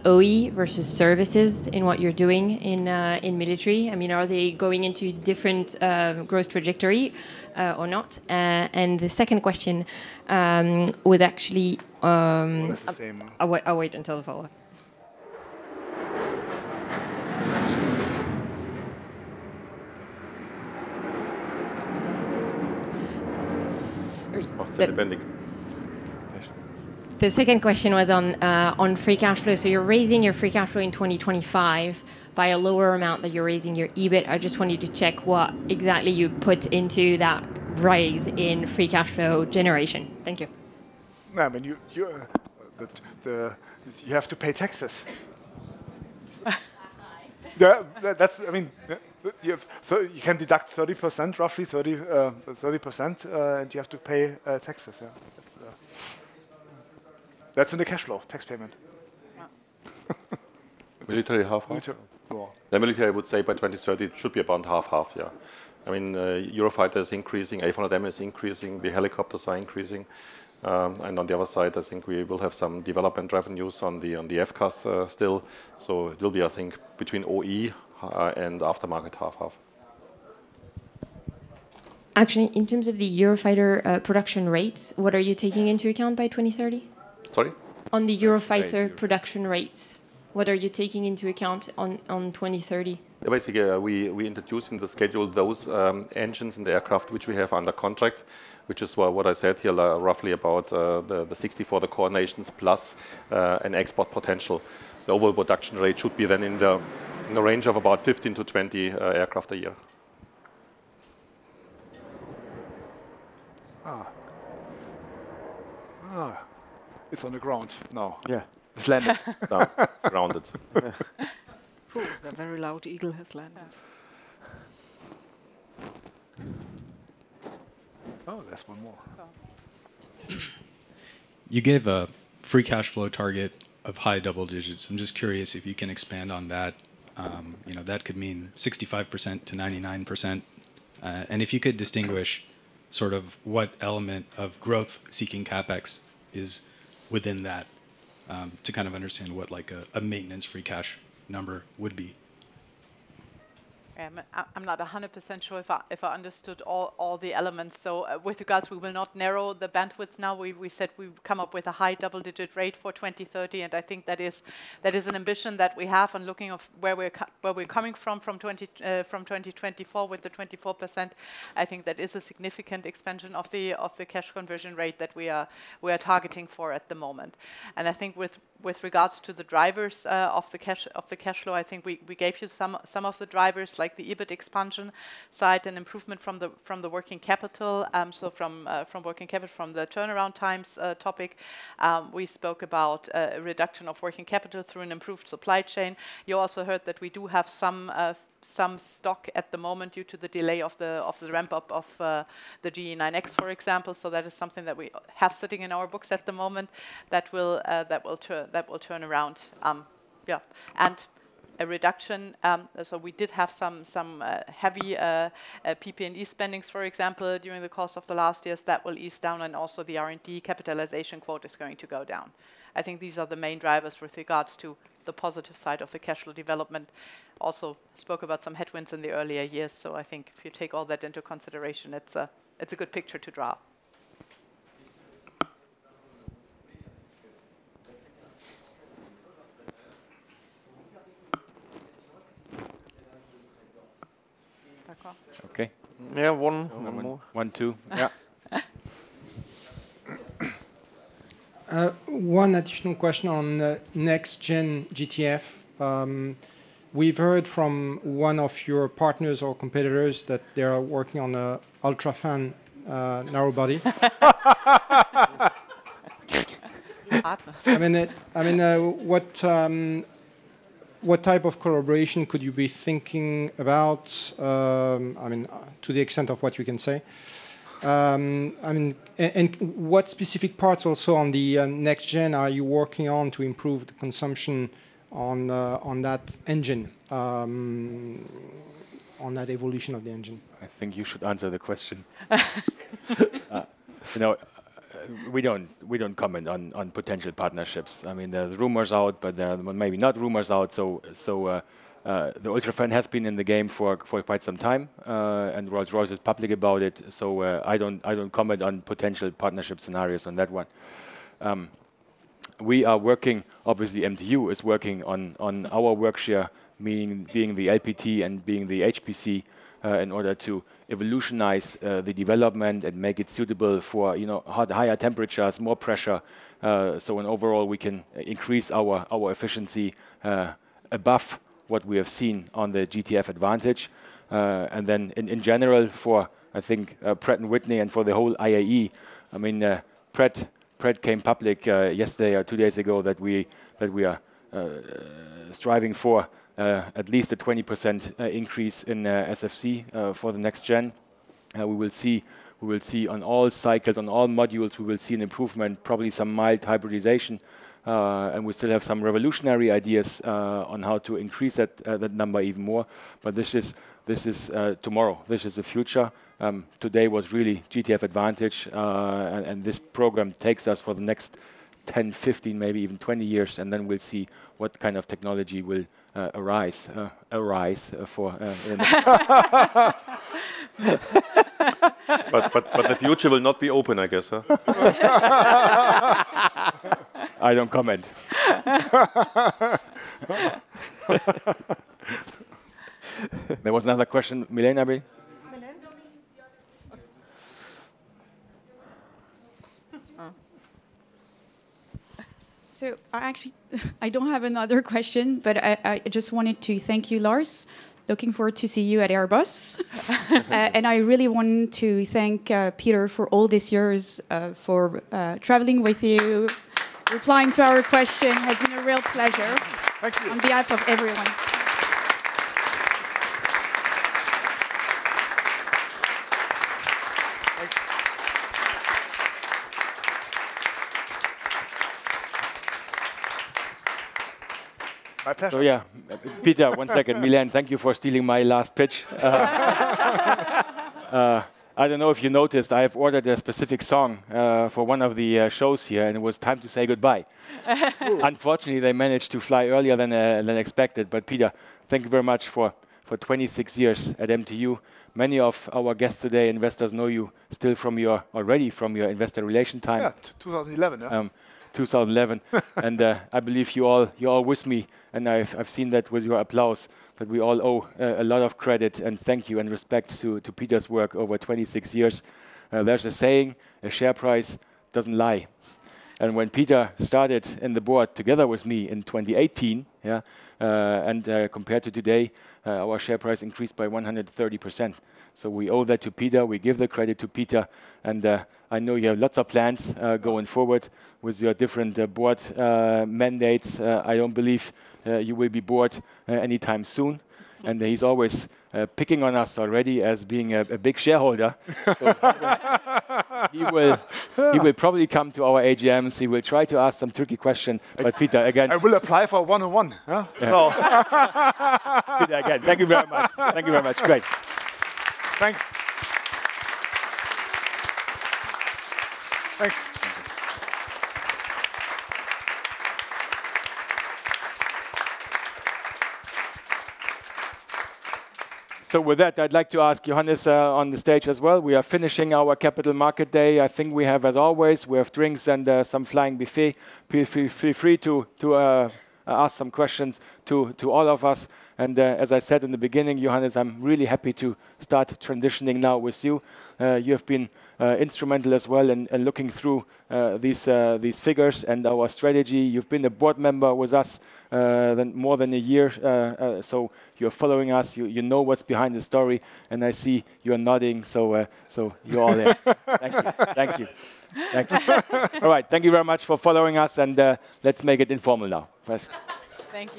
OE versus services in what you're doing in military? I mean, are they going into different growth trajectory or not? The second question was actually. Oh, that's the same. I'll wait until the follow-up. Sorry. Part depending. Question. The second question was on free cashflow. You're raising your free cashflow in 2025 by a lower amount that you're raising your EBIT. I just want you to check what exactly you put into that raise in free cashflow generation. Thank you. I mean, you have to pay taxes. That's, I mean, you can deduct 30%, roughly 30%, and you have to pay taxes. That's in the cashflow, tax payment. Yeah. Military half. The military, I would say by 2030, it should be about half-half, yeah. I mean, Eurofighter is increasing, Typhoon is increasing, the helicopters are increasing, and on the other side, I think we will have some development revenues on the, on the FCAS, still. It'll be, I think, between OE, and aftermarket half-half. Actually, in terms of the Eurofighter, production rates, what are you taking into account by 2030? Sorry? On the Eurofighter production rates, what are you taking into account on 2030? Basically, we introduce in the schedule those engines and the aircraft which we have under contract, which is what I said here, roughly about 60 for the coordinations plus an export potential. The overall production rate should be in the range of about 15 to 20 aircraft a year. It's on the ground now. It's landed now. Grounded. Phew. The very loud eagle has landed. Yeah. Oh, there's one more. Oh. You gave a free cashflow target of high double digits. I'm just curious if you can expand on that. You know, that could mean 65%-99%, and if you could distinguish sort of what element of growth-seeking CapEx is within that, to kind of understand what, like, a maintenance free cash number would be. I'm not 100% sure if I understood all the elements. With regards, we will not narrow the bandwidth now. We said we've come up with a high double-digit rate for 2030, and I think that is an ambition that we have. Looking of where we're coming from 2024 with the 24%, I think that is a significant expansion of the cash conversion rate that we are targeting for at the moment. I think with regards to the drivers of the cashflow, I think we gave you some of the drivers, like the EBIT expansion side and improvement from the working capital, from the turnaround times topic. We spoke about a reduction of working capital through an improved supply chain. You also heard that we do have some stock at the moment due to the delay of the ramp-up of the GE9X, for example. That is something that we have sitting in our books at the moment that will turn around. A reduction, so we did have some heavy PP&E spendings, for example, during the course of the last years. That will ease down, and also the R&D capitalization quote is going to go down. I think these are the main drivers with regards to the positive side of the cashflow development. Also spoke about some headwinds in the earlier years. I think if you take all that into consideration, it's a, it's a good picture to draw. Okay. Yeah, one. One more. One, two. Yeah. One additional question on the next-gen GTF. We've heard from one of your partners or competitors that they are working on an UltraFan narrow-body. I mean, what type of collaboration could you be thinking about? And what specific parts also on the next-gen are you working on to improve the consumption on that engine, on that evolution of the engine? I think you should answer the question. you know, we don't comment on potential partnerships. I mean, there are rumors out, but maybe not rumors out, so the UltraFan has been in the game for quite some time. Rolls-Royce is public about it, so I don't comment on potential partnership scenarios on that one. We are working, obviously MTU is working on our workshare, meaning being the LPT and being the HPC, in order to evolutionize the development and make it suitable for, you know, higher temperatures, more pressure, in overall we can increase our efficiency above what we have seen on the GTF Advantage. Then in general for, I think, Pratt & Whitney and for the whole IAE, I mean, Pratt came public yesterday or two days ago that we are striving for at least a 20% increase in SFC for the next gen. We will see on all cycles, on all modules, we will see an improvement, probably some mild hybridization. We still have some revolutionary ideas on how to increase that number even more. This is tomorrow, this is the future. Today was really GTF Advantage, and this program takes us for the next 10, 15, maybe even 20 years, and then we'll see what kind of technology will arise for. The future will not be open, I guess, huh? I don't comment. There was another question. Milene, maybe? Actually, I don't have another question, but I just wanted to thank you, Lars. Looking forward to see you at Airbus. Thank you. I really want to thank Peter for all these years, for traveling with you. Replying to our question has been a real pleasure on behalf of everyone. Thank you. My pleasure. Yeah. Peter, one second. Milene, thank you for stealing my last pitch. I don't know if you noticed, I have ordered a specific song for one of the shows here, and it was Time to Say Goodbye. Unfortunately, they managed to fly earlier than expected. Peter, thank you very much for 26 years at MTU. Many of our guests today, investors know you still already from your investor relation time. Yeah, 2011, yeah. 2011. I believe you all, you're all with me, and I've seen that with your applause, that we all owe a lot of credit, and thank you and respect to Peter's work over 26 years. There's a saying, a share price doesn't lie. When Peter started in the board together with me in 2018, compared to today, our share price increased by 130%. We owe that to Peter. We give the credit to Peter. I know you have lots of plans going forward with your different board mandates. I don't believe you will be bored anytime soon. He's always picking on us already as being a big shareholder. He will probably come to our AGMs. He will try to ask some tricky question. Peter, again. I will apply for one-on-one, yeah? Peter, again, thank you very much. Thank you very much. Great. Thanks. Thanks. With that, I'd like to ask Johannes on the stage as well. We are finishing our capital market day. I think we have, as always, we have drinks and some flying buffet. Please feel free to ask some questions to all of us. As I said in the beginning, Johannes, I'm really happy to start transitioning now with you. You have been instrumental as well in looking through these figures and our strategy. You've been a board member with us more than a year. You're following us, you know what's behind the story, and I see you're nodding. You're all there. Thank you. Thank you. Thank you. All right. Thank you very much for following us, and let's make it informal now. Thanks.